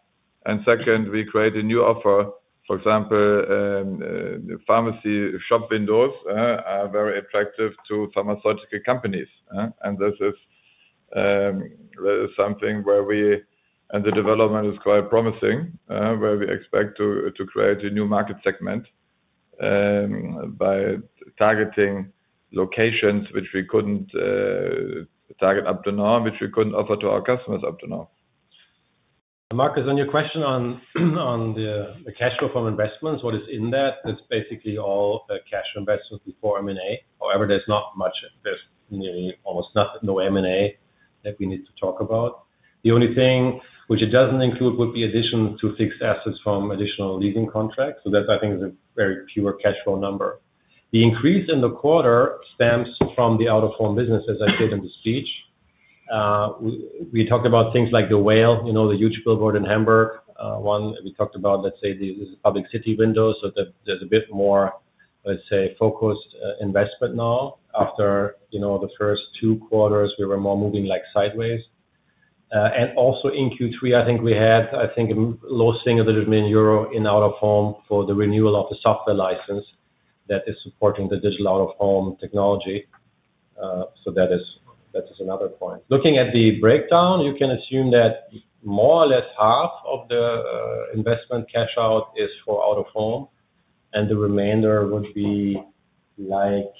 Second, we create a new offer. For example, pharmacy shop windows are very attractive to pharmaceutical companies. This is something where we, and the development is quite promising, where we expect to create a new market segment by targeting locations which we could not target up to now, which we could not offer to our customers up to now. Marcus, on your question on the cash flow from investments, what is in that? That's basically all cash investment for M&A. However, there's not much, there's nearly almost no M&A that we need to talk about. The only thing which it doesn't include would be addition to fixed assets from additional leasing contracts. So that I think is a very pure cash flow number. The increase in the quarter stems from the Out-of-Home business. As I said in the speech, we talked about things like The Whale, you know, the huge billboard in Hamburg. One we talked about, let's say, is Public Video City. So there's a bit more, let's say, focused investment. Now after the first two quarters we were more moving like sideways. Also in Q3, I think we had a low single-digit million euro in Out-of-Home for the renewal of the software license that is supporting the Digital Out-of-Home technology. That is another point. Looking at the breakdown, you can assume that more or less half of the investment cash out is for Out-of-Home and the remainder would be like.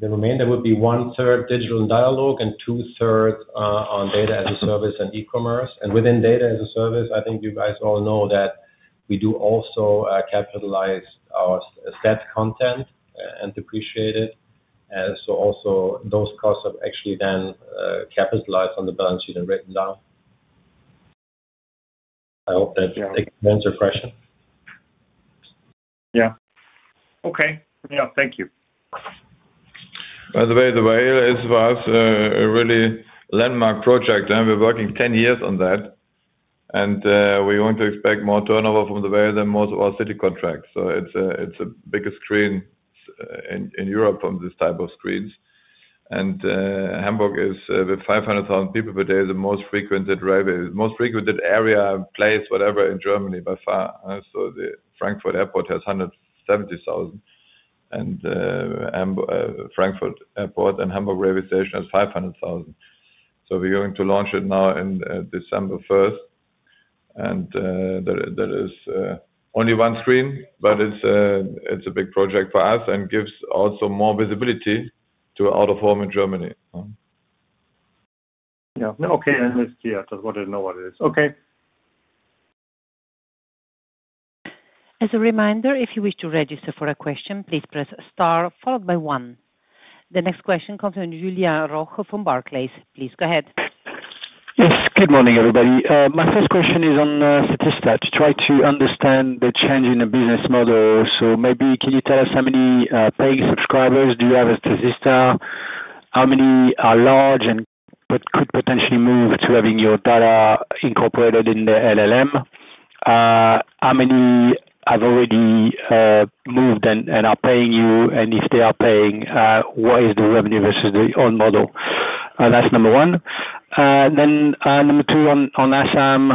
The remainder would be one third Digital & Dialog and two thirds on data as a service and e-commerce and within data as a service. I think you guys all know that we do also capitalize our Statista content and depreciate it. Also, those costs have actually been capitalized on the balance sheet and written down. I hope that. Yeah, okay, thank you. By the way, The Whale is for us a really landmark project and we're working 10 years on that. We want to expect more turnover from The Whale than most of our city contracts. It is the biggest screen in Europe from this type of screens. Hamburg is with 500,000 people per day, the most frequented railway, most frequented area, place, whatever in Germany by far. The Frankfurt Airport has 170,000 and Frankfurt Airport and Hamburg Railway Station has 500,000. We are going to launch it now in December 1st and there is only one screen. It is a big project for us and gives also more visibility to Out-of-Home in Germany. Okay, I just wanted to know what it is. Okay. As a reminder, if you wish to register for a question, please press star followed by one. The next question comes from Julien Roch from Barclays. Please go ahead. Yes, good morning everybody. My first question is on Statista to try to understand the change in the business model. Maybe can you tell us how many paying subscribers do you have at Statista? How many are large and could potentially move to having your data incorporated in the LLM? How many have already moved and are paying you? If they are paying, what is the revenue versus the own model? That is number one. Number two, on Asam,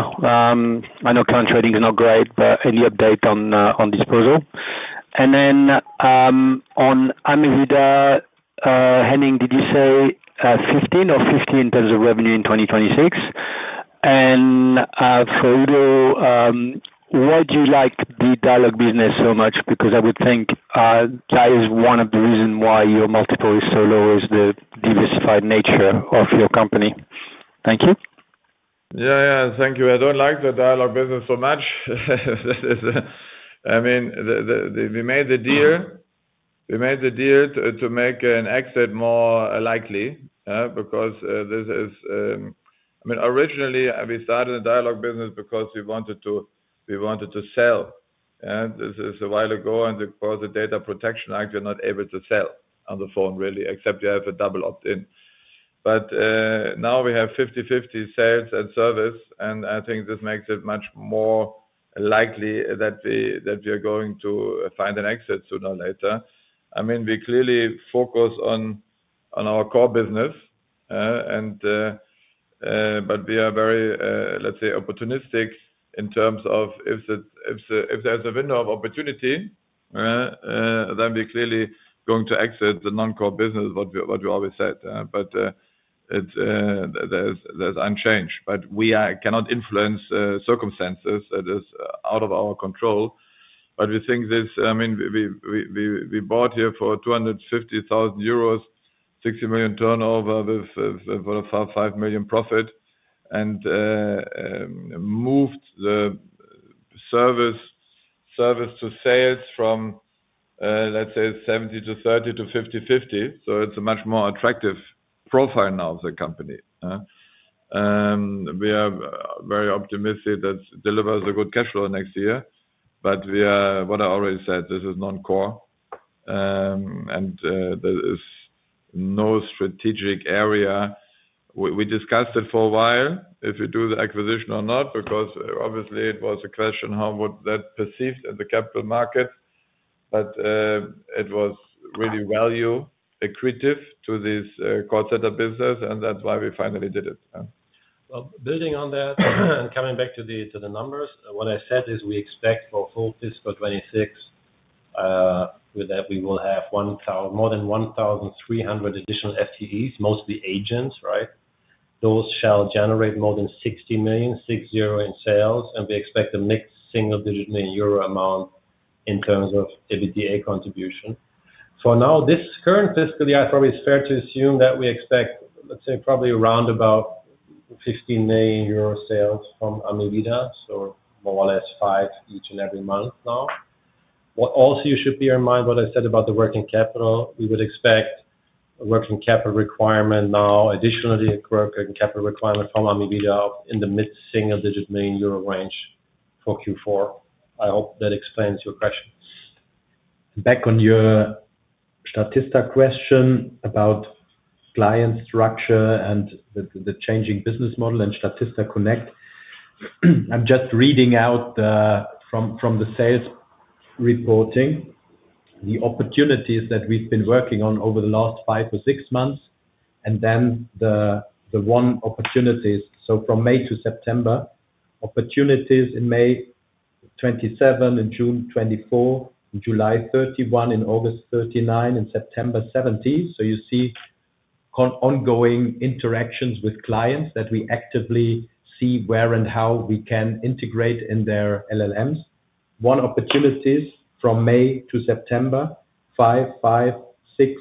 I know current trading is not great, but any update on disposal? Then on AMEVIDA, Henning, did you say 15 million or 50 million in terms of revenue in 2026? For Udo, why do you like the Dialog business so much? I would think that is one of the reasons why your multiple is so low, the diversified nature of your company. Thank you. Yeah, thank you. I do not like the Dialog business so much. I mean we made the deal, we made the deal to make an exit more likely because this is. I mean originally we started a Dialog business because we wanted to, we wanted to sell and this is a while ago and of course the Data Protection Act you are not able to sell on the phone really except you have a double opt in. Now we have 50/50 sales and service and I think this makes it much more likely that we are going to find an exit sooner or later. I mean we clearly focus on our core business and we are very, let's say, opportunistic in terms of if there is a window of opportunity then we are clearly going to exit the non-core business. What you always said, but there's unchanged, but we cannot influence circumstances that is out of our control. We think this, I mean, we bought here for 250,000 euros, 60 million turnover with 5 million profit, and moved the service service to sales from, let's say, 70/30 to 50/50. It's a much more attractive profile now of the company. We are very optimistic that delivers a good cash flow next year. What I already said, this is non-core and there is no strategic area. We discussed it for a while if you do the acquisition or not because obviously it was a question how would that perceived in the capital market, but it was really value accretive to this call center business and that's why we finally did it. Building on that and coming back to the numbers, what I said is we expect for full fiscal 2026 with that we will have more than 1,300 additional FTEs, mostly agents. Right? Those shall generate more than 60 million in sales and we expect a mid single-digit million euro amount in terms of EBITDA contribution for now this current fiscal year. It's fair to assume that we expect, let's say, probably around about 15 million euro sales from AMEVIDA. More or less five each and every month. Now also you should bear in mind what I said about the working capital. We would expect working capital requirement, now additionally working capital requirement from AMEVIDA in the mid single-digit million euro range for Q4. I hope that explains your question. Back on your Statista question about client structure and the changing business model and Statista Connect. I'm just reading out from the sales reporting the opportunities that we've been working on over the last five or six months and then the won opportunities. From May to September, opportunities in May 27, in June 24, July 31, in August 39, and September 17. You see ongoing interactions with clients that we actively see where and how we can integrate in their LLMs. Won opportunities from May to September: 5, 5, 6,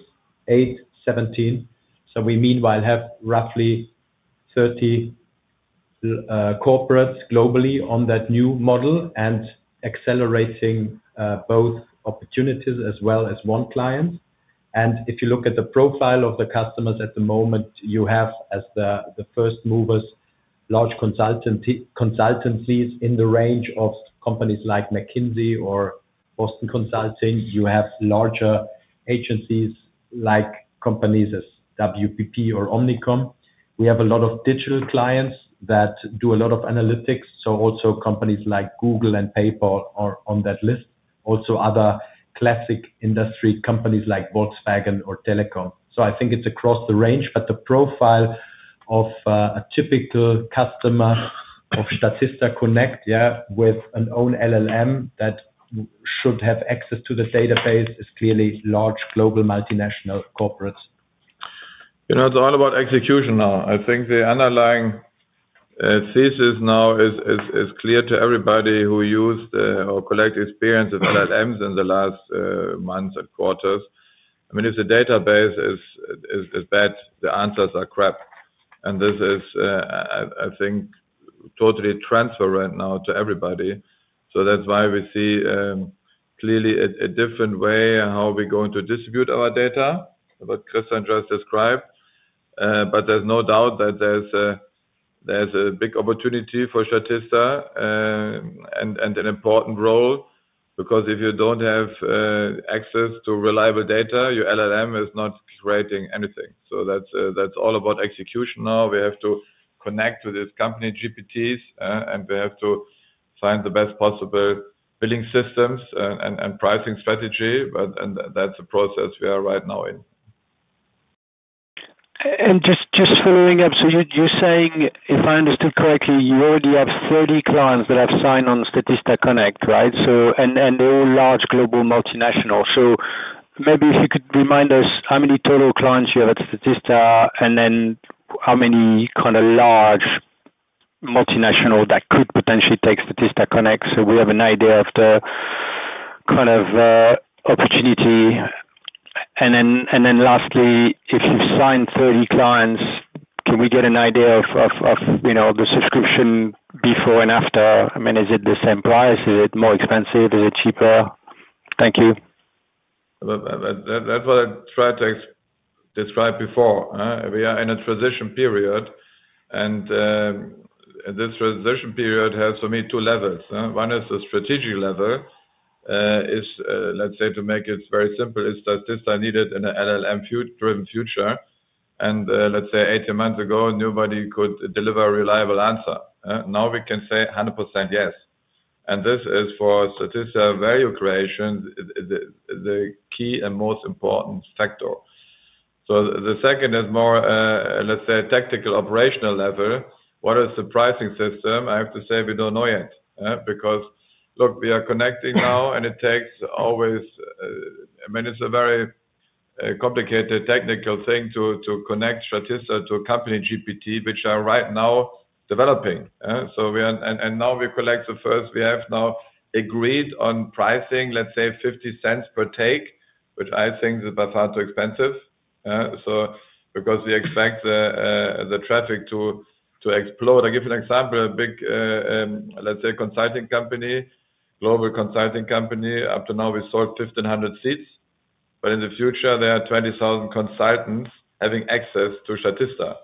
8, 17. We meanwhile have roughly 30 corporates globally on that new model and accelerating both opportunities as well as won client. If you look at the profile of the customers at the moment, you have as the first movers large consultancies in the range of companies like McKinsey or Boston Consulting. You have larger agencies like companies as WPP or Omnicom. We have a lot of digital clients that do a lot of analytics. Also companies like Google and PayPal are on that list. Also other classic industry companies like Volkswagen or Telekom. I think it is across the range. The profile of a typical customer of Statista Connect with an own LLM that should have access to the database is clearly large global multinational corporates. You know, it's all about execution now. I think the underlying thesis now is clear to everybody who used or collect experience of LLMs in the last months and quarters. I mean if the database is bad, the answers are crap. And this is I think totally transfer right now to everybody. That's why we see clearly a different way how we're going to distribute our data, what Christian just described. There's no doubt that there's a big opportunity for Statista and an important role because if you don't have access to reliable data, your LLM is not creating anything. That's all about execution. Now we have to connect to these company GPTs and we have to find the best possible billing systems and pricing strategy and that's the process we are right now in. Just following up. You're saying if I understood correctly, you already have 30 clients that have signed on Statista Connect. Right? They are all large global multinationals. Maybe if you could remind us how many total clients you have at Statista and then how many kind of large multinationals that could potentially take Statista Connect. We have an idea of the kind of opportunity and then lastly, if you sign 30 clients, can we get an idea of the subscription before and after? I mean, is it the same price, is it more expensive, is it cheaper? Thank you. That's what I tried to describe before. We are in a transition period and this transition period has for me two levels. One is the strategic level, is, let's say to make it very simple, is that this, I needed an LLM driven future and let's say 18 months ago nobody could deliver a reliable answer. Now we can say 100%? Yes. And this is for Statista value creation, the key and most important factor. The second is more, let's say, tactical operational level. What is the pricing system? I have to say we don't know yet, because look, we are connecting now and it takes always. I mean, it's a very complicated technical thing to connect Statista to company GPT, which are right now developing. We are, and now we collect the first. We have now agreed on pricing, let's say 0.50 per take, which I think is by far too expensive. Because we expect the traffic to explode, I give an example, a big, let's say, consulting company, global consulting company. Up to now we sold 1,500 seats. In the future there are 20,000 consultants having access to Statista.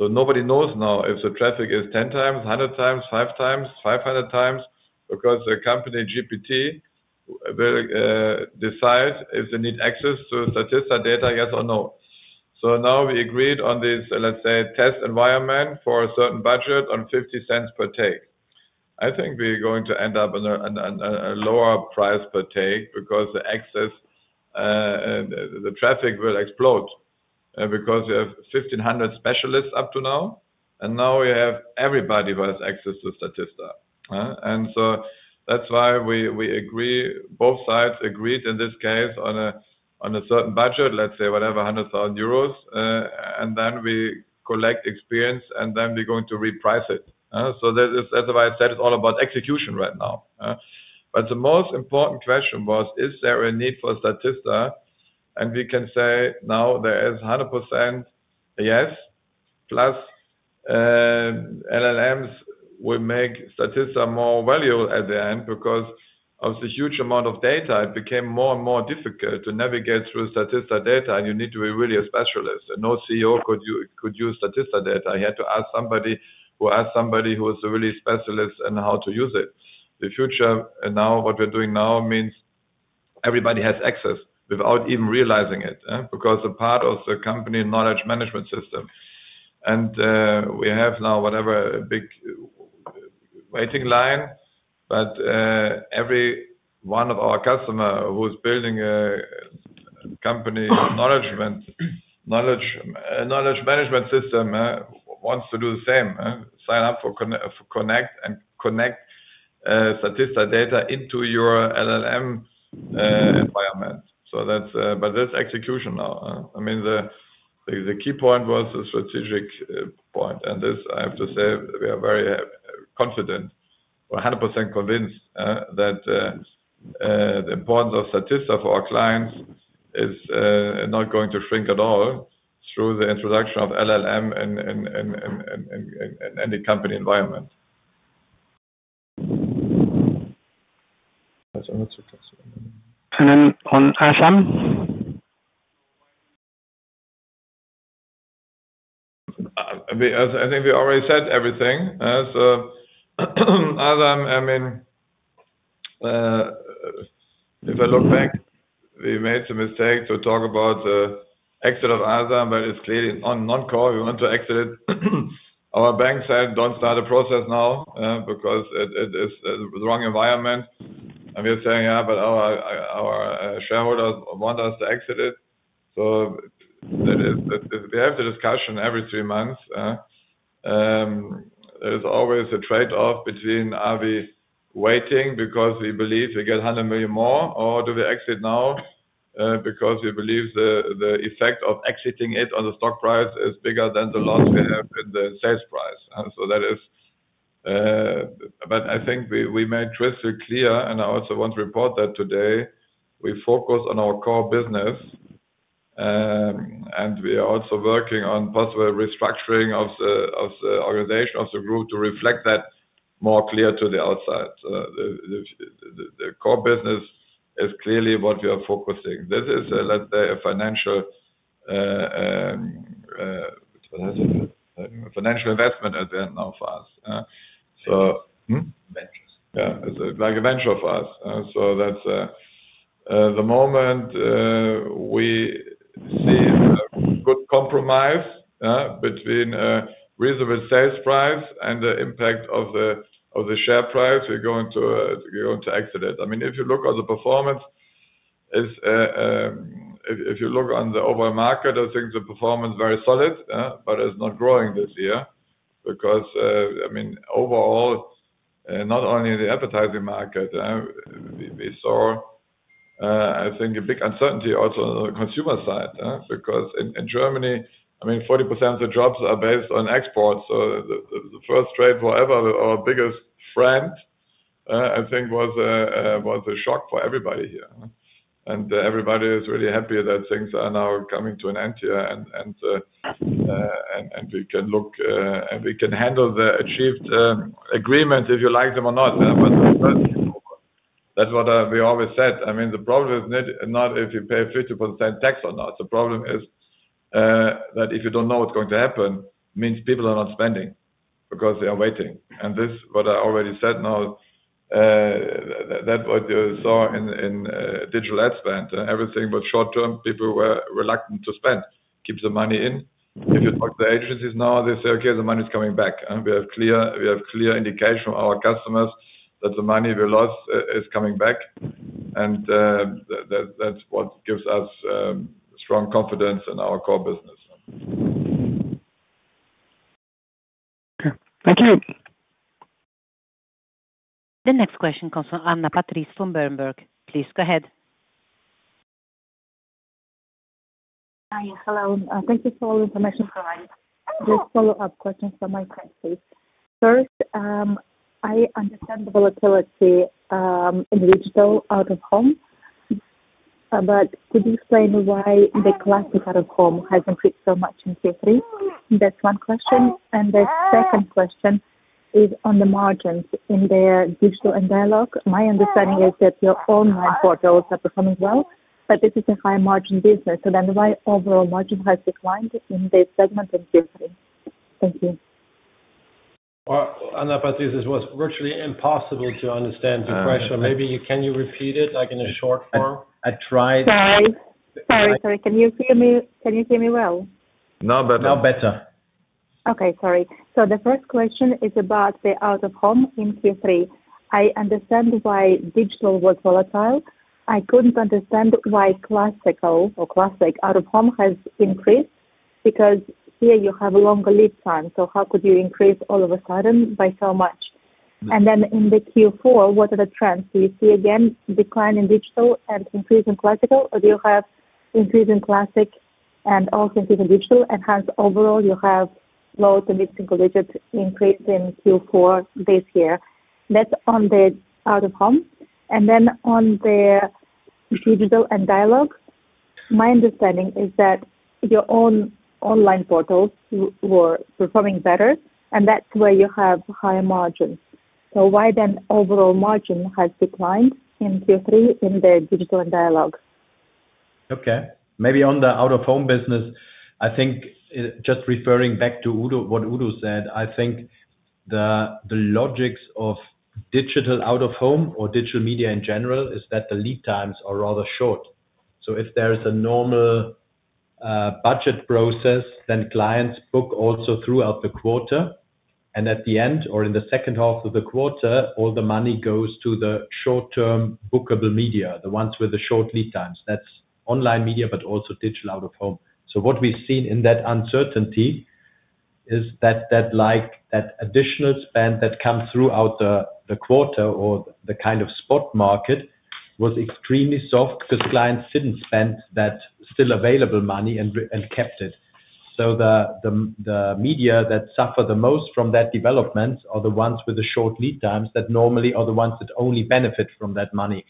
Nobody knows now if the traffic is 10x, 100x, 5x, 500x. The company GPT will decide if they need access to Statista data, yes or no. Now we agreed on this, let's say, test environment for a certain budget on 0.50 per take. I think we're going to end up on a lower price per take because the excess, the traffic will explode. You have 1,500 specialists up to now. Now we have everybody who has access to Statista. That is why we agree, both sides agreed in this case on a certain budget, let's say whatever, 100,000 euros, and then we collect experience and then we are going to reprice it. As I said, it is all about execution right now. The most important question was is there a need for Statista? We can say now there is 100% yes. Plus LLMs will make Statista more valuable at the end because of the huge amount of data, it became more and more difficult to navigate through Statista data. You need to be really a specialist and no CEO could use Statista data. I had to ask somebody who is a real specialist and how to use it. The future now, what we are doing now means everybody has access without even realizing it, because it is a part of the company knowledge management system. We have now a big waiting line, but every one of our customers who's building a company knowledge management system wants to do the same: sign up for Connect and connect Statista data into your LLM environment. The key point was the strategic point. I have to say we are very confident, 100% convinced that the importance of Statista for our clients is not going to shrink at all through the introduction of LLM in any company environment. On Asam? I think we already said everything. Asam I mean. If I look back, we made some mistakes to talk about the exit of Asam, but it's clearly on non call. We want to exit it. Our bank said don't start the process now because it is the wrong environment. We are saying yeah, but our shareholders want us to exit it. We have the discussion every three months. There's always a trade off between are we waiting because we believe we get 100 million more or do we exit now because we believe the effect of exiting it on the stock price is bigger than the loss we have in the sales price? That is. I think we made crystal clear and I also want to report that today we focus on our core business and we are also working on possible restructuring of the organization of the group to reflect that more clearly to the outside. The core business is clearly what we are focusing. This is, let's say, a financial investment event now for us. So yeah, like a venture for us. That is the moment we see good compromise between reasonable sales price and the impact of the share price. We are going to exit it. I mean if you look at the performance. If you look on the overall market I think the performance very solid but it's not growing this year because I mean overall, not only the advertising market, we saw I think a big uncertainty also on the consumer side because in Germany I mean 40% of the jobs are based on exports. The first trade forever. Our biggest friend I think was a shock for everybody here and everybody is really happy that things are now coming to an end here and we can look and we can handle the achieved agreements if you like them or not. That's what we always said. I mean the problem is not if you pay 50% tax or not. The problem is that if you don't know what's going to happen means people are not spending because they are waiting. What I already said now, that what you saw in digital ad spend, everything but short term, people were reluctant to spend, keep the money in. If you talk to the agencies now, they say, okay, the money is coming back. We have clear indication from our customers that the money we lost is coming back. That is what gives us strong confidence in our core business. Thank you. The next question comes from Anna Patrice from Berenberg, please go ahead. Hello. Thank you for all the information provided. Just follow up questions from my friends please. First, I understand the volatility in Digital Out-of-Home. Could you explain why the classic Out-of-Home has increased so much in Q3? That is one question. The second question is on the margins in their Digital & Dialog. My understanding is that your online portals are performing well, but this is a high margin business. Why has the overall margin declined in this segment in Q3? Thank you. Anna Patrice. This was virtually impossible to understand. The pressure maybe. Can you repeat it like in a short form? I tried. Sorry, sorry. Can you hear me? Can you hear me well? Now better. Now better. Okay, sorry. The first question is about the Out-of-Home in Q3. I understand why digital was volatile. I could not understand why classic Out-of-Home has increased. Because here you have a longer lead time. How could you increase all of a sudden by so much? In between, what are the trends? Do you see again decline in digital and increasing classic or do you have increasing classic and also increasing digital and hence overall you have low to mid single digit increase in Q4 this year? That is on the Out-of-Home. On the Digital & Dialog, my understanding is that your own online portals were performing better and that is where you have higher margins. Why then has overall margin declined in Q3 in the Digital & Dialog? Okay, maybe on the Out-of-Home business. I think just referring back to what Udo said, I think the logics of Digital Out-of-Home or digital media in general is that the lead times are rather short. If there is a normal budget process, then clients book also throughout the quarter and at the end or in the second half of the quarter, all the money goes to the short term bookable media, the ones with the short lead times, that's online media, but also Digital Out-of-Home. What we've seen in that uncertainty is that like that additional spend that comes throughout the quarter or the kind of spot market was extremely soft because clients didn't spend that still available money and kept it. The media that suffer the most from that development are the ones with the short lead times that normally are the ones that only benefit from that money.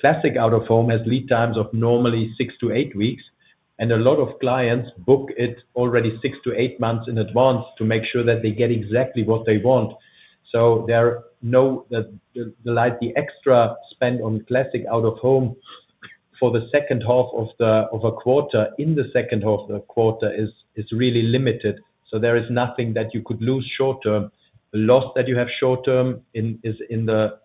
Classic Out-of-Home has lead times of normally six to eight weeks and a lot of clients book it already six to eight months in advance to make sure that they get exactly what they want. There the extra spend on classic Out-of-Home for the second half of the quarter, in the second half the quarter, is really limited. There is nothing that you could lose short term. The loss that you have short term is in the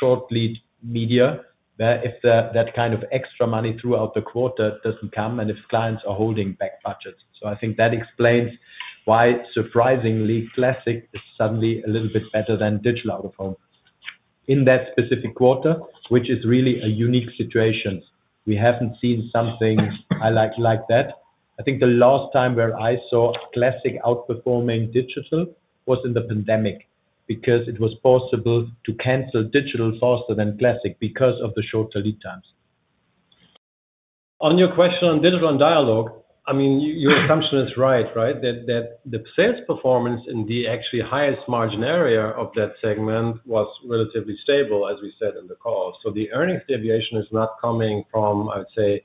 short lead media if that kind of extra money throughout the quarter does not come and if clients are holding back budgets. I think that explains why surprisingly classic is suddenly a little bit better than Digital Out-of-Home in that specific quarter, which is really a unique situation. We have not seen something like that. I think the last time where I saw classic outperforming digital was in the pandemic because it was possible to cancel digital faster than classic because of the shorter lead times. On your question on Digital & Dialog, I mean your assumption is right, right? That the sales performance in the actually highest margin area of that segment was relatively stable as we said in the call. The earnings deviation is not coming from, I would say,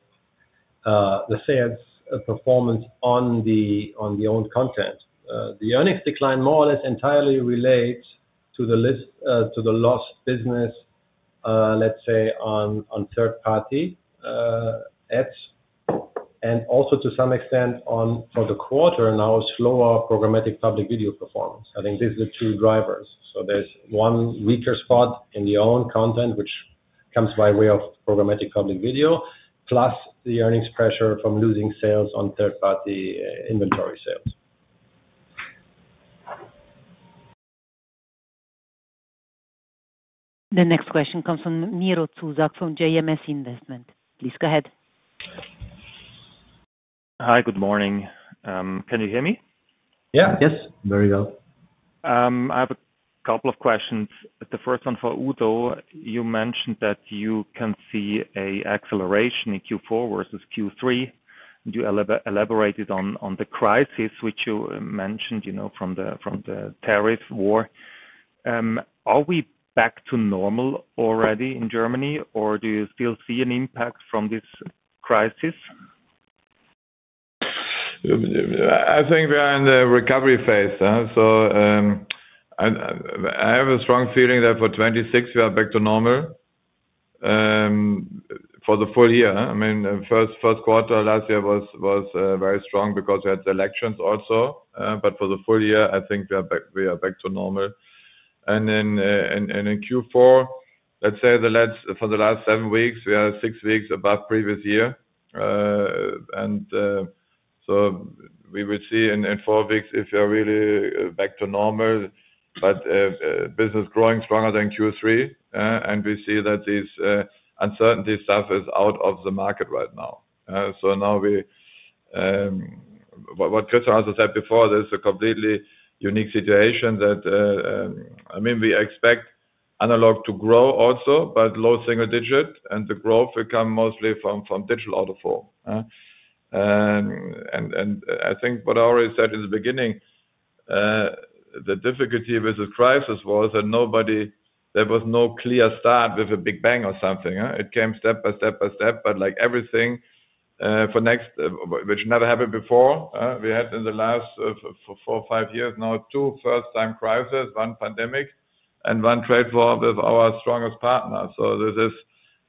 the sales performance on the owned content. The earnings decline more or less entirely. Relates to the lost business, let's say. On third party ads and also to some extent on for the quarter now slower programmatic public video. I think these are the two drivers. There is one weaker spot in the own content which comes by way of programmatic public video plus the earnings pressure from losing sales on third party inventory sales. The next question comes from Miro Zuzak from JMS Invest. Please go ahead. Hi, good morning. Can you hear me? Yeah. Yes, very well. I have a couple of questions. The first one for Udo, you mentioned that you can see a acceleration in Q4 versus Q3. You elaborated on the crisis which you mentioned. You know, from the, from the tariff war. Are we back to normal already in Germany or do you still see an impact from this crisis? I think we are in the recovery phase. I have a strong feeling that for 2026 we are back to normal for the full year. I mean, first, first quarter last year was very strong because we had elections also. For the full year I think we are back to normal. In Q4, for the last seven weeks, we are six weeks above previous year, and we will see in four weeks if we're really back to normal. Business is growing stronger than Q3, and we see that this uncertainty stuff is out of the market right now. What Christian said before, there's a completely unique situation. I mean, we expect analog to grow also, but low single digit, and the growth will come mostly from Digital Out-of-Home. I think what I already said in the beginning, the difficulty with the crisis was that nobody—there was no clear start with a big bang or something. It came step by step by step. Like everything for next, which never happened before. We had in the last few, for four or five years now, two first time crisis, one pandemic and one trade for with our strongest partner. This is,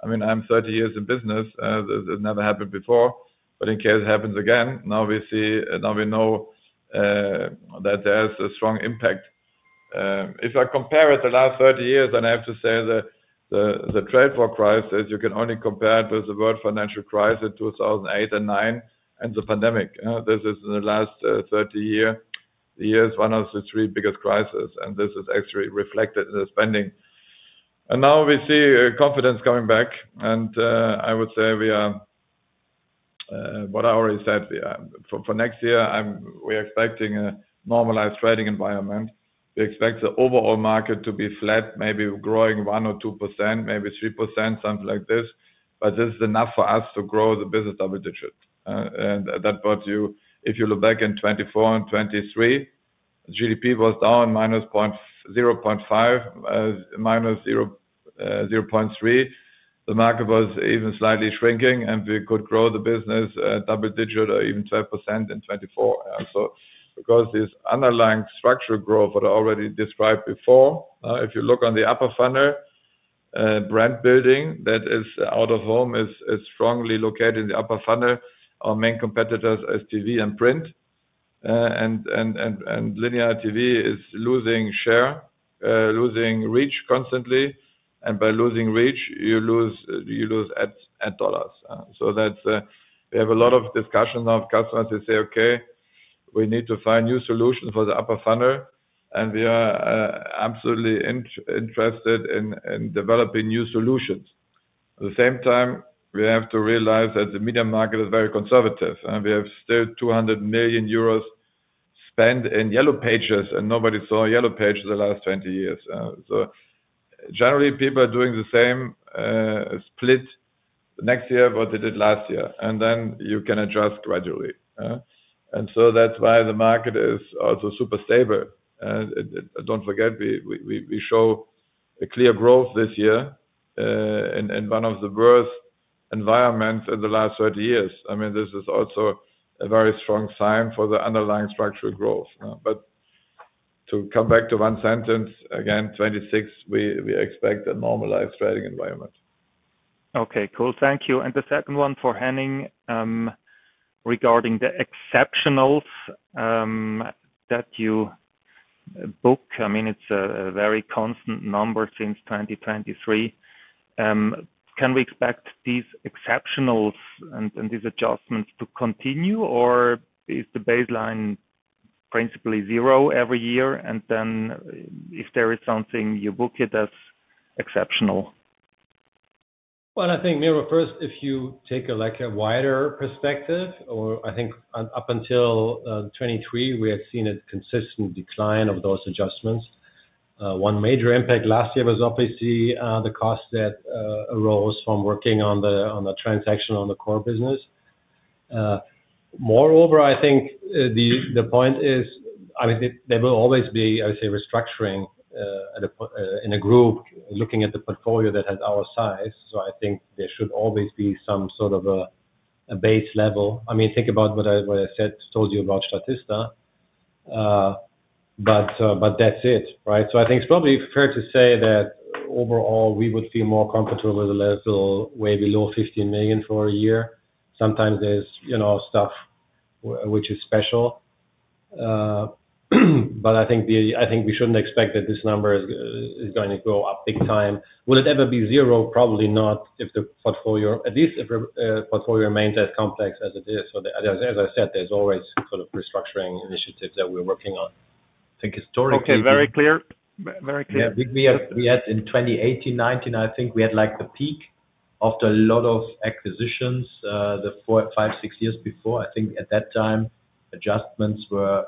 I mean, I'm 30 years in business, it never happened before. In case it happens again, now we see, now we know that there's a strong impact. If I compare it to the last 30 years, I have to say the trade for crisis, you can only compare it with the world financial crisis, 2008 and 2009, and the pandemic. This is in the last 30 years. The year is one of the three biggest crises and this is actually reflected in the spending. Now we see confidence coming back. I would say we are, what I already said, for next year we are expecting a normalized trading environment. We expect the overall market to be flat, maybe growing 1%-2%, maybe 3%, something like this. This is enough for us to grow the business double digit. That brought you, if you look back in 2024 and 2023, GDP was down -0.5, -0.3. The market was even slightly shrinking and we could grow the business double digit or even 12% in 2024. Because this underlying structural growth that I already described before, if you look on the upper funnel, brand building that is Out-of-Home is strongly located in the upper funnel. Our main competitors is TV and print and linear TV is losing share, losing reach constantly. By losing reach you lose ad dollars. We have a lot of discussion of customers that say, okay, we need to find new solutions for the upper funnel. We are absolutely interested in developing new solutions. At the same time, we have to realize that the media market is very conservative and we have still 200 million euros spent in yellow pages and nobody saw yellow pages the last 20 years. Generally people are doing the same split next year what they did last year. You can adjust gradually. That is why the market is also super stable. Do not forget, we show a clear growth this year in one of the worst environments in the last 30 years. I mean this is also a very strong sign for the underlying structural growth. To come back to one sentence again, 2026, we expect a normalized trading environment. Okay, cool, thank you. The second one for Henning, regarding the exceptionals that you book, I mean it's a very constant number since 2023. Can we expect these exceptionals and these adjustments to continue or is the baseline principally zero every year and then if there is something you book it as exceptional? I think Miro first, if you take a wider perspective or I think up until 2023 we had seen a consistent decline of those adjustments. One major impact last year was obviously the cost that arose from working on the transaction on the core business. Moreover, I think the point is there will always be, I would say, restructuring in a group looking at the portfolio that has our size. I think there should always be some sort of a base level. I mean, think about what I said. Told you about Statista. That's it, right? I think it's probably fair to say that overall we would feel more comfortable with a level way below 15 million for a year. Sometimes there's stuff which is special. But. I think we shouldn't expect that this number is going to go up big time. Will it ever be zero? Probably not. If the portfolio, at least if portfolio remains as complex as it is. As I said, there's always sort of restructuring initiatives that we're working on. I think historically. Okay, very clear, very clear. We had in 2018, 2019, I think we had like the peak after a lot of acquisitions the four, five, six years before. I think at that time adjustments were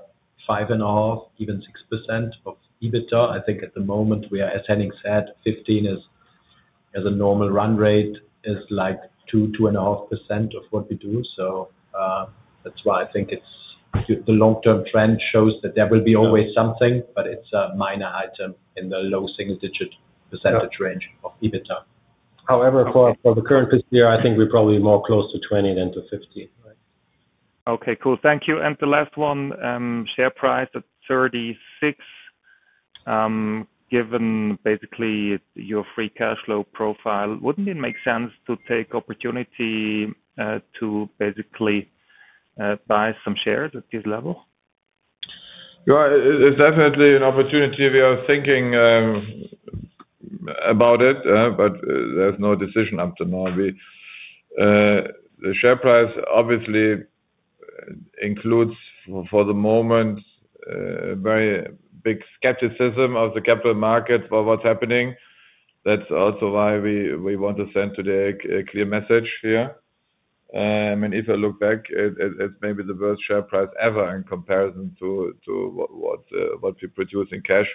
5.5%, even 6% of EBITDA. I think at the moment we are, as Henning said, 15 million is as a normal run rate is like 2%-2.5% of what we do. That's why I think the long term trend shows that there will be always something but it's a minor item in the low single digit percentage range of EBITDA. However, for the current year I think we're probably more close to 20 million than to 50 million. Okay, cool, thank you. The last one, share price at 36. Given basically your free cash flow profile, would not it make sense to take opportunity to basically buy some shares at this level? It's definitely an opportunity. We are thinking about it but there's no decision up to now. The share price obviously includes for the moment very big skepticism of the capital markets for what's happening. That's also why we want to send today a clear message here. I mean if I look back, it's maybe the worst share price ever in comparison to what we produce in cash.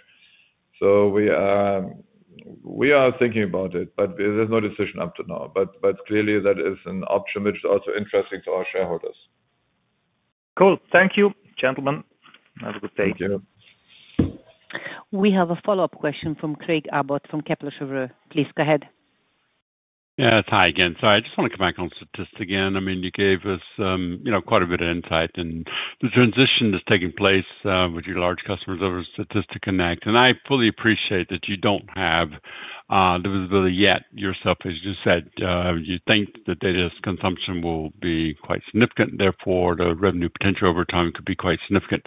We are thinking about it but there's no decision up to now. Clearly that is an option which is also interesting to our shareholders. Cool. Thank you, gentlemen, have a good day. We have a follow up question from Craig Abbott from Kepler Cheuvreux. Please go ahead. Yeah, hi again. Sorry, I just want to come back on Statista again, I mean you gave us, you know, quite a bit of insight and the transition that's taking place with your large customers over Statista Connect. I fully appreciate that you don't have divisibility yet yourself. As you said, you think the data consumption will be quite significant. Therefore the revenue potential over time could be quite significant.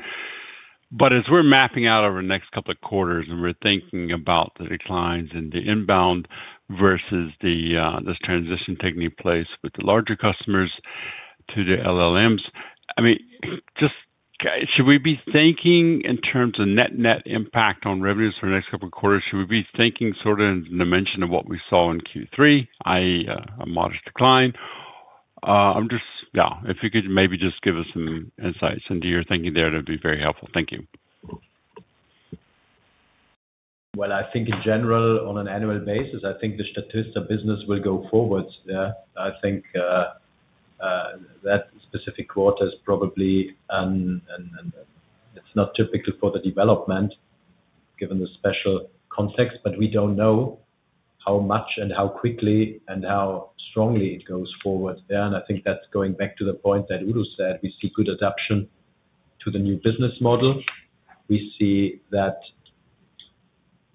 As we're mapping out over the next couple of quarters and we're thinking about the declines in the inbound versus this transition taking place with the larger customers to the LLMs, I mean just should we be thinking in terms of net net impact on revenues for the next couple of quarters? Should we be thinking sort of in dimension of what we saw in Q3, a modest decline? I'm just now if you could maybe just give us some insights into your thinking there, that'd be very helpful. Thank you. I think in general on an annual basis, I think the Statista business will go forwards. Yeah, I think that specific quarter is. Probably. It's not typical for the development given the special context, but we don't know how much and how quickly and how strongly it goes forward. I think that's going back to the point that Udo said. We see good adaption to the new business model. We see that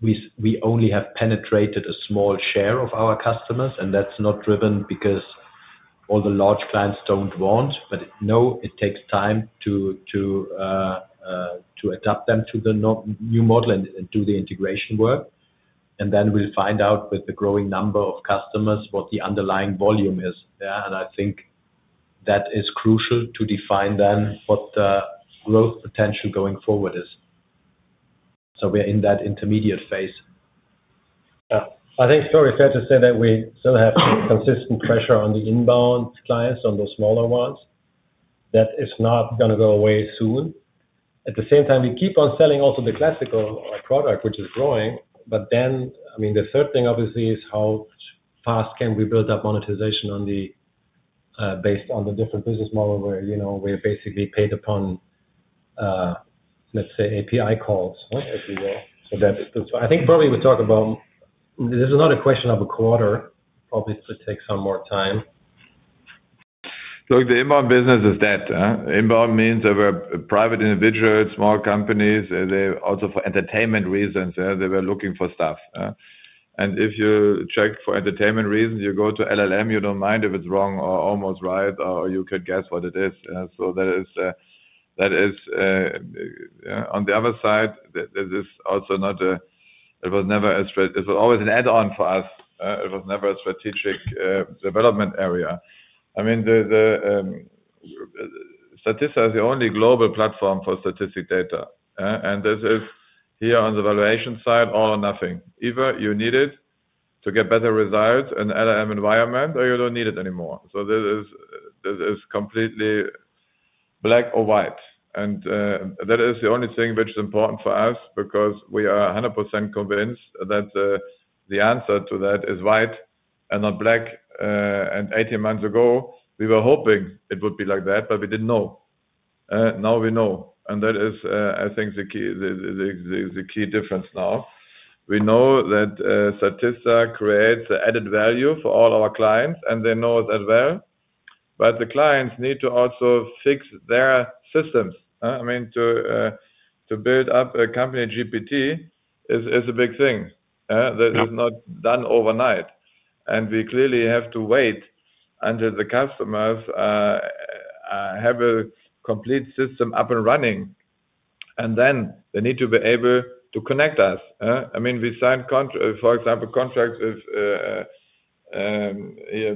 we only have penetrated a small share of our customers and that's not driven because all the large clients don't want. No, it takes time to adapt them to the new model and do the integration work and then we'll find out with the growing number of customers what the underlying volume is. I think that is crucial to define then what the growth potential going forward is. We're in that intermediate phase. I think it's very fair to say that we still have consistent pressure on. The inbound clients, on those smaller ones. That is not going to go away soon. At the same time we keep on selling also the classical product which is growing. I mean the third thing obviously is how fast can we build up monetization based on the different business model where, you know, we're basically paid upon, let's say, API calls. That is why I think probably we talk about this is not a question of a quarter. Probably could take some more time. Look, the inbound business is dead. Inbound means there were private individuals, small companies, they also for entertainment reasons, they were looking for stuff. If you check for entertainment reasons, you go to LLM. You do not mind if it is wrong or almost right. Or you could guess what it is. That is on the other side. This is also not a, it was never always an add on for us. It was never a strategic development area. I mean Statista is the only global platform for statistic data. This is here on the valuation side, all or nothing. Either you need it to get better results in LLM environment or you do not need it anymore. This is completely black or white. That is the only thing which is important for us because we are 100% convinced that the answer to that is white and not black. Eighteen months ago we were hoping it would be like that, but we did not know. Now we know and that is, I think, the key difference. Now we know that Statista creates added value for all our clients and they know that well, but the clients need to also fix their systems. I mean, to build up a company GPT is a big thing that is not done overnight. We clearly have to wait until the customers have a complete system up and running and then they need to be able to connect us. I mean, we signed contracts, for example,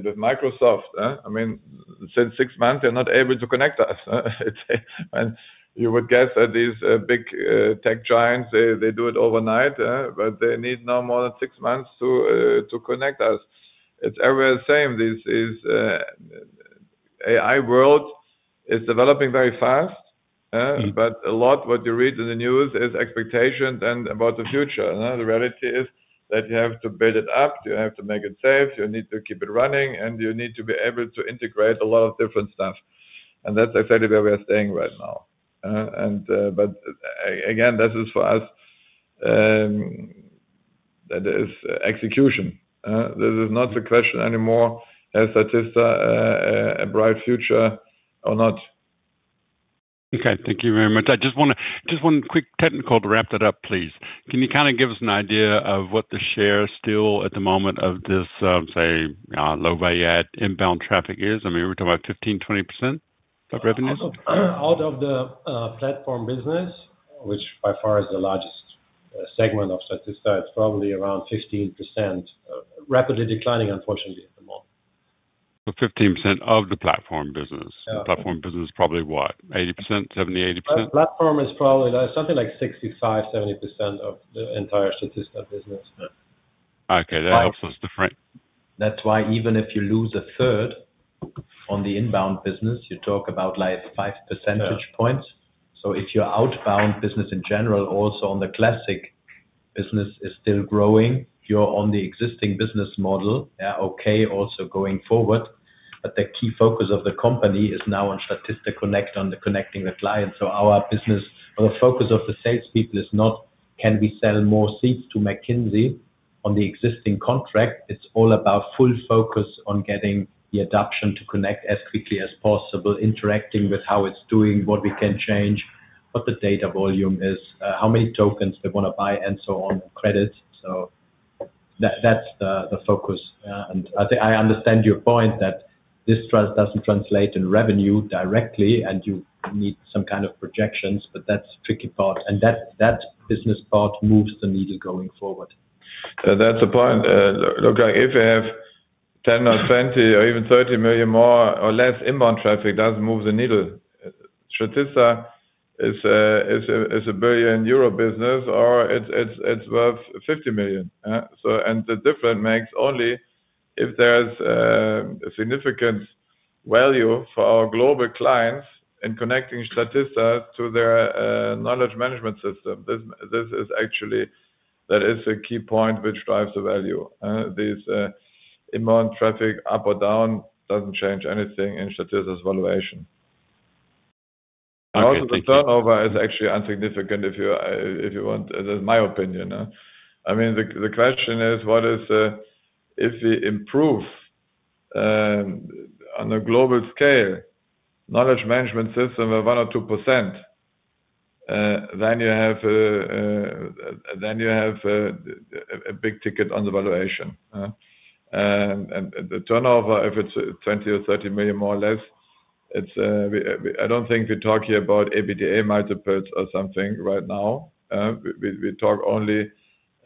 with Microsoft. I mean, since six months they are not able to connect us. You would guess that these big tech giants, they do it overnight, but they need no more than six months to connect us. It's everywhere the same. This AI world is developing very fast. A lot of what you read in the news is expectations and about the future. The reality is that you have to build it up, you have to make it safe, you need to keep it running, and you need to be able to integrate a lot of different stuff. That's exactly where we are staying right now. Again, this is for us, that is execution. This is not the question anymore. Has Statista a bright future or not? Okay, thank you very much. I just want to just one quick technical to wrap that up please. Can you kind of give us an idea of what the share still at the moment of this say low value add inbound traffic is? I mean we're talking about 15%-20%. Of revenues. Out of the platform business, which by far is the largest segment of Statista. It's probably around 15% rapidly declining. Unfortunately at the moment. 15% of the platform business. Platform business is probably what? 80%? 70%-80%? Platform is probably something like 65%-70% of the, the entire Statista business. Okay. That helps us different. That's why even if you lose a third on the inbound business, you talk about like 5 percentage points. If your outbound business in general also on the classic business is still growing, you're on the existing business model. Okay. Also going forward. The key focus of the company is now on Statista Connect, on connecting the clients. Our business, the focus of the salespeople is not can we sell more seats to McKinsey on the existing contract. It's all about full focus on getting the adoption to Connect as quickly as possible, interacting with how it's doing, what we can change, what the data volume is, how many tokens they want to buy, and so on, credit. That's the focus. I understand your point that this trust doesn't translate in revenue directly and you need some kind of projections. That's the tricky part and that business part moves the needle going forward. That's the point. Look, like if you have 10 million or 20 million or even 30 million more or less inbound traffic, it doesn't move the needle. Statista is 1 billion euro business or it's worth 50 million. So, and the difference makes only if there's a significant value for our global clients in connecting Statista to their knowledge management system. This, this is actually, that is a key point which drives the value. This amount traffic up or down doesn't change anything in Statista's valuation, is actually unsignificant. If you, if you want. That's my opinion. I mean, the question is what is the, if we improve on a global scale knowledge management system of 1% or 2% then you have, then you have a big ticket on the valuation and the turnover if it's 20 million or 30 million, more or less. I don't think we talk here about EBITDA multiples or something. Right now we talk only.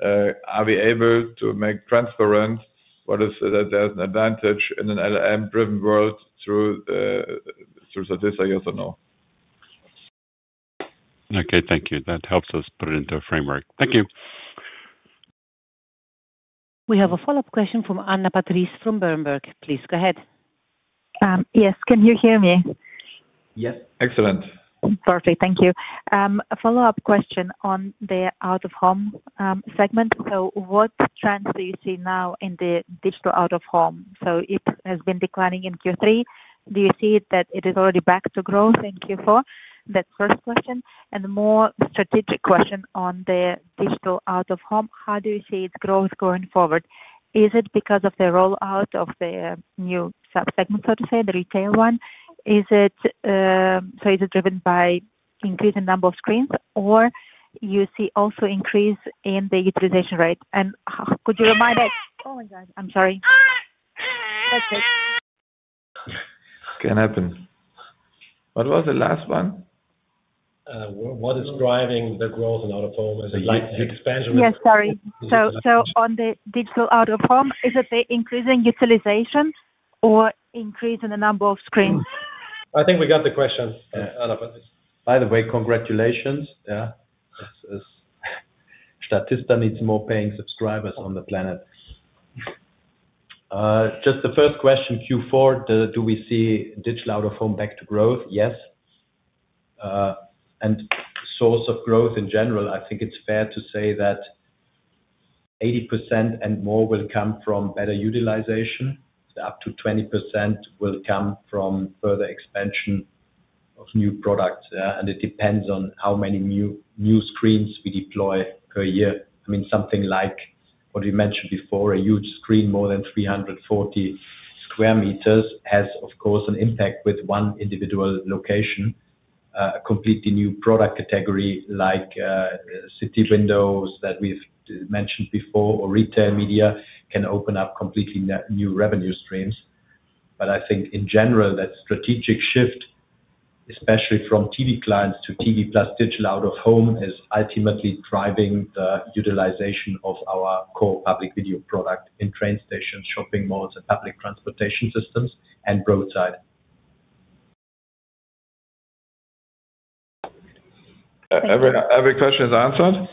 Are we able to make transparent what is that there's an advantage in an LLM driven world through Statista. Yes or no. Okay, thank you. That helps us put it into a framework. Thank you. We have a follow up question from Anna Patrice from Berenberg, please go ahead. Yes, can you hear me? Yes. Excellent. Perfect. Thank you. A follow up question on the Out-of-Home segment. What trends do you see now in the Digital Out-of-Home? It has been declining in Q3. Do you see that it is already back to growth in Q4? That first question and a more strategic question on the Digital Out-of-Home. How do you see its growth going forward? Is it because of the rollout of the new subsegment, so to say the retail one? Is it driven by increase in number of screens or do you see also increase in the utilization rate and could you remind us. Oh my God. I'm sorry. Can happen. What was the last one? What is driving the growth in Out-of-Home? Is it like the expansion? Yes, sorry. On the Digital Out-of-Home, is it the increasing utilization or increase in the number of screens? I think we got the question. By the way, congratulations. Statista needs more paying subscribers on the planet. Just the first question. Q4, do we see Digital Out-of-Home back to growth? Yes. Source of growth in general? I think it's fair to say that 80% and more will come from better utilization. Up to 20% will come from further expansion of new products. It depends on how many new screens we deploy per year. I mean something like what we mentioned before, a huge screen, more than 340 sq m, has of course an impact with one individual location. A completely new product category like City Windows that we've mentioned before or retail media can open up completely new revenue streams. I think in general that strategic shift, especially from TV clients to TV plus Digital Out-of-Home, is ultimately driving the utilization of our core public video product in train stations, shopping malls, public transportation systems, and roadside. Every question is answered.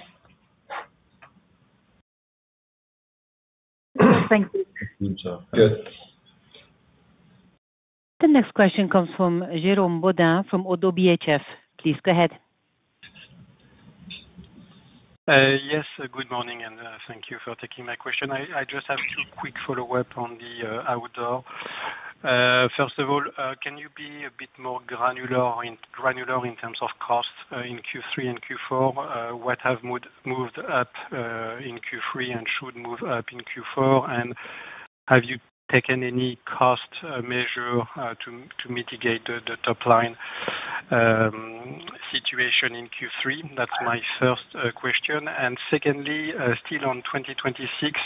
Thank you. The next question comes from Jérôme Bodin from ODDO BHF. Please go ahead. Yes, good morning and thank you for taking my question. I just have two quick follow up on the outdoor. First of all, can you be a bit more granular in terms of cost in Q3 and Q4? What have moved up in Q3 and should move up in Q4? Have you taken any cost measure to mitigate the top line situation in Q3? That is my first question. Secondly, still on 2026,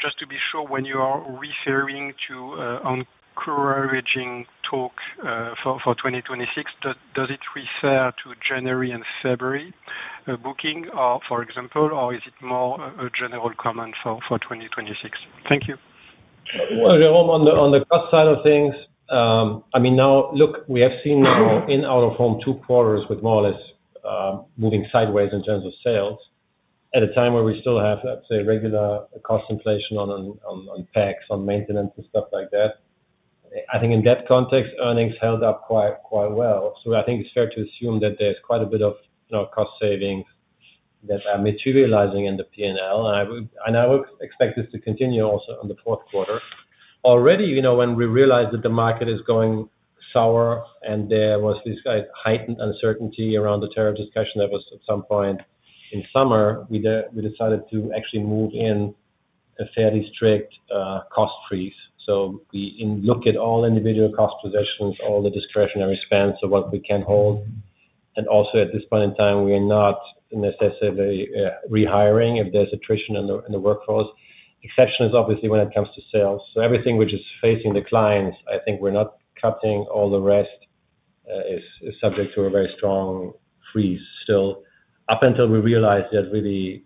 just to be sure, when you are referring to encouraging talk for 2026, does it refer to January and February booking for example, or is it more a general comment for 2026? Thank you. Jérôme. On the cost side of things, I mean, now look, we have seen in Out-of-Home Q2 and Q4 with more or less moving sideways in terms of sales at a time where we still have, let's say, regular cost inflation on tax, on maintenance and stuff like that. I think in that context earnings held up quite quite well. I think it's fair to assume that there's quite a bit of cost savings that are materializing in the P&L. I would expect this to continue. Also in the fourth quarter already when we realized that the market is going sour and there was this heightened uncertainty around the tariff discussion that was at some point in summer, we decided to actually move in a fairly strict cost freeze. We look at all individual cost positions, all the discretionary spends of what we can hold. At this point in time we are not necessarily rehiring if there is attrition in the workforce. Exception is obviously when it comes to sales. Everything which is facing the clients, I think we are not cutting. All the rest is subject to a very strong freeze still up until we realize that really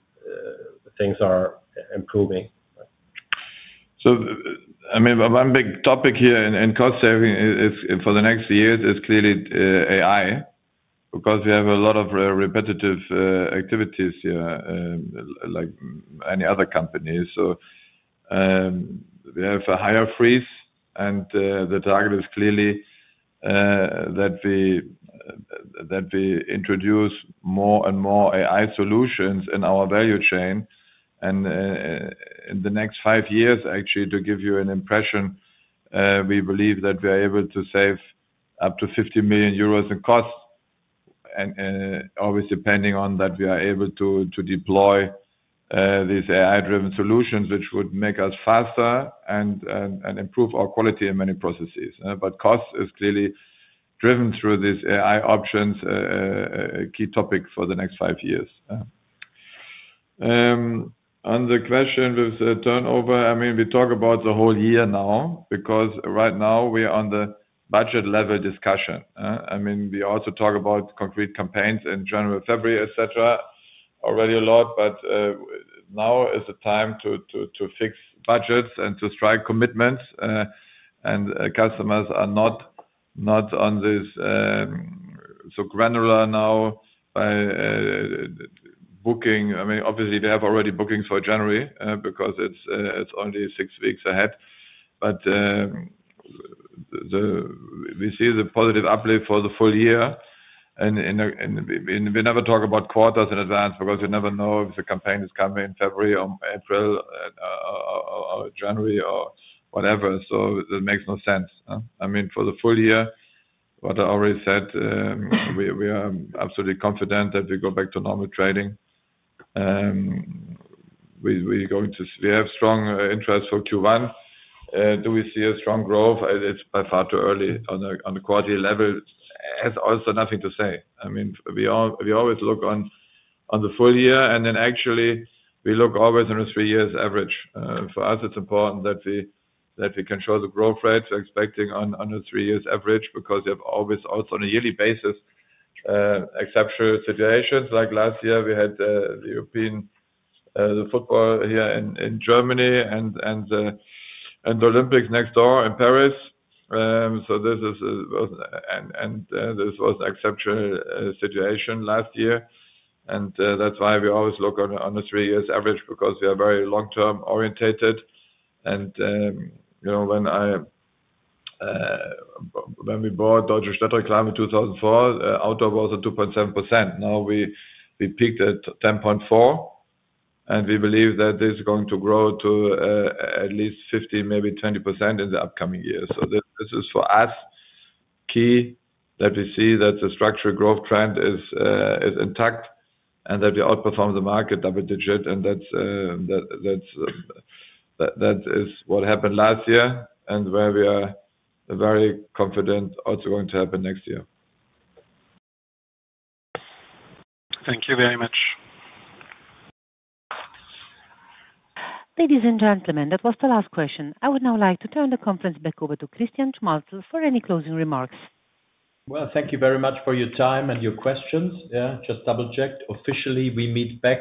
things are improving. I mean one big topic here in cost saving for the next years is clearly AI because we have a lot of repetitive activities here like any other company. We have a hire freeze. The target is clearly that we introduce more and more AI solutions in our value chain. In the next five years, actually, to give you an impression, we believe that we are able to save up to 50 million euros in costs. Always depending on that we are able to deploy these AI-driven solutions which would make us faster and improve our quality in many processes. Cost is clearly driven through these AI options. A key topic for the next five years. On the question with turnover. I mean we talk about the whole year now because right now we are on the budget level discussion. I mean we also talk about concrete campaigns in general, February etc. already a lot. Now is the time to fix budgets and to strike commitments. Customers are not on this so granular now booking, I mean obviously they have already bookings for January because it is only six weeks ahead. We see the positive uplift for the full year and we never talk about quarters in advance because you never know if the campaign is coming in February or April or January or whatever. That makes no sense. I mean for the full year, what I already said, we are absolutely confident that we go back to normal trading. We are going to, we have strong interest for Q1. Do we see a strong growth? It's by far too early on. The quality level has also nothing to say. I mean, we always look on the full year and then actually we look always on a three years average. For us, it's important that we control the growth rate. We're expecting on a three years average because you have always also on a yearly basis exceptional situations. Like last year, we had the European, the football here in Germany and the Olympics next door in Paris. This is, and this was exceptional situation last year and that's why we always look on the three years average because we are very long term orientated. You know, when we bought Deutsche Telekom in 2004, auto was at 2.7%. Now, we peaked at 10.4%. We believe that this is going to grow to at least 15%-20% in the upcoming years. This is for us key that we see that the structural growth trend is intact and that we outperform the market double digit. That is what happened last year and where we are very confident what's going to happen next year. Thank you very much. Ladies and gentlemen. That was the last question. I would now like to turn the conference back over to Christian Schmalzl for any closing remarks. Thank you very much for your time and your questions. Just double checked. Officially, we meet back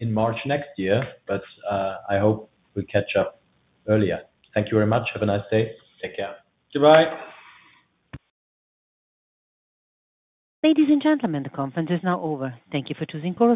in March next year, but I hope we catch up earlier. Thank you very much. Have a nice day. Take care. Goodbye. Ladies and gentlemen, the conference is now over. Thank you for choosing Chorus.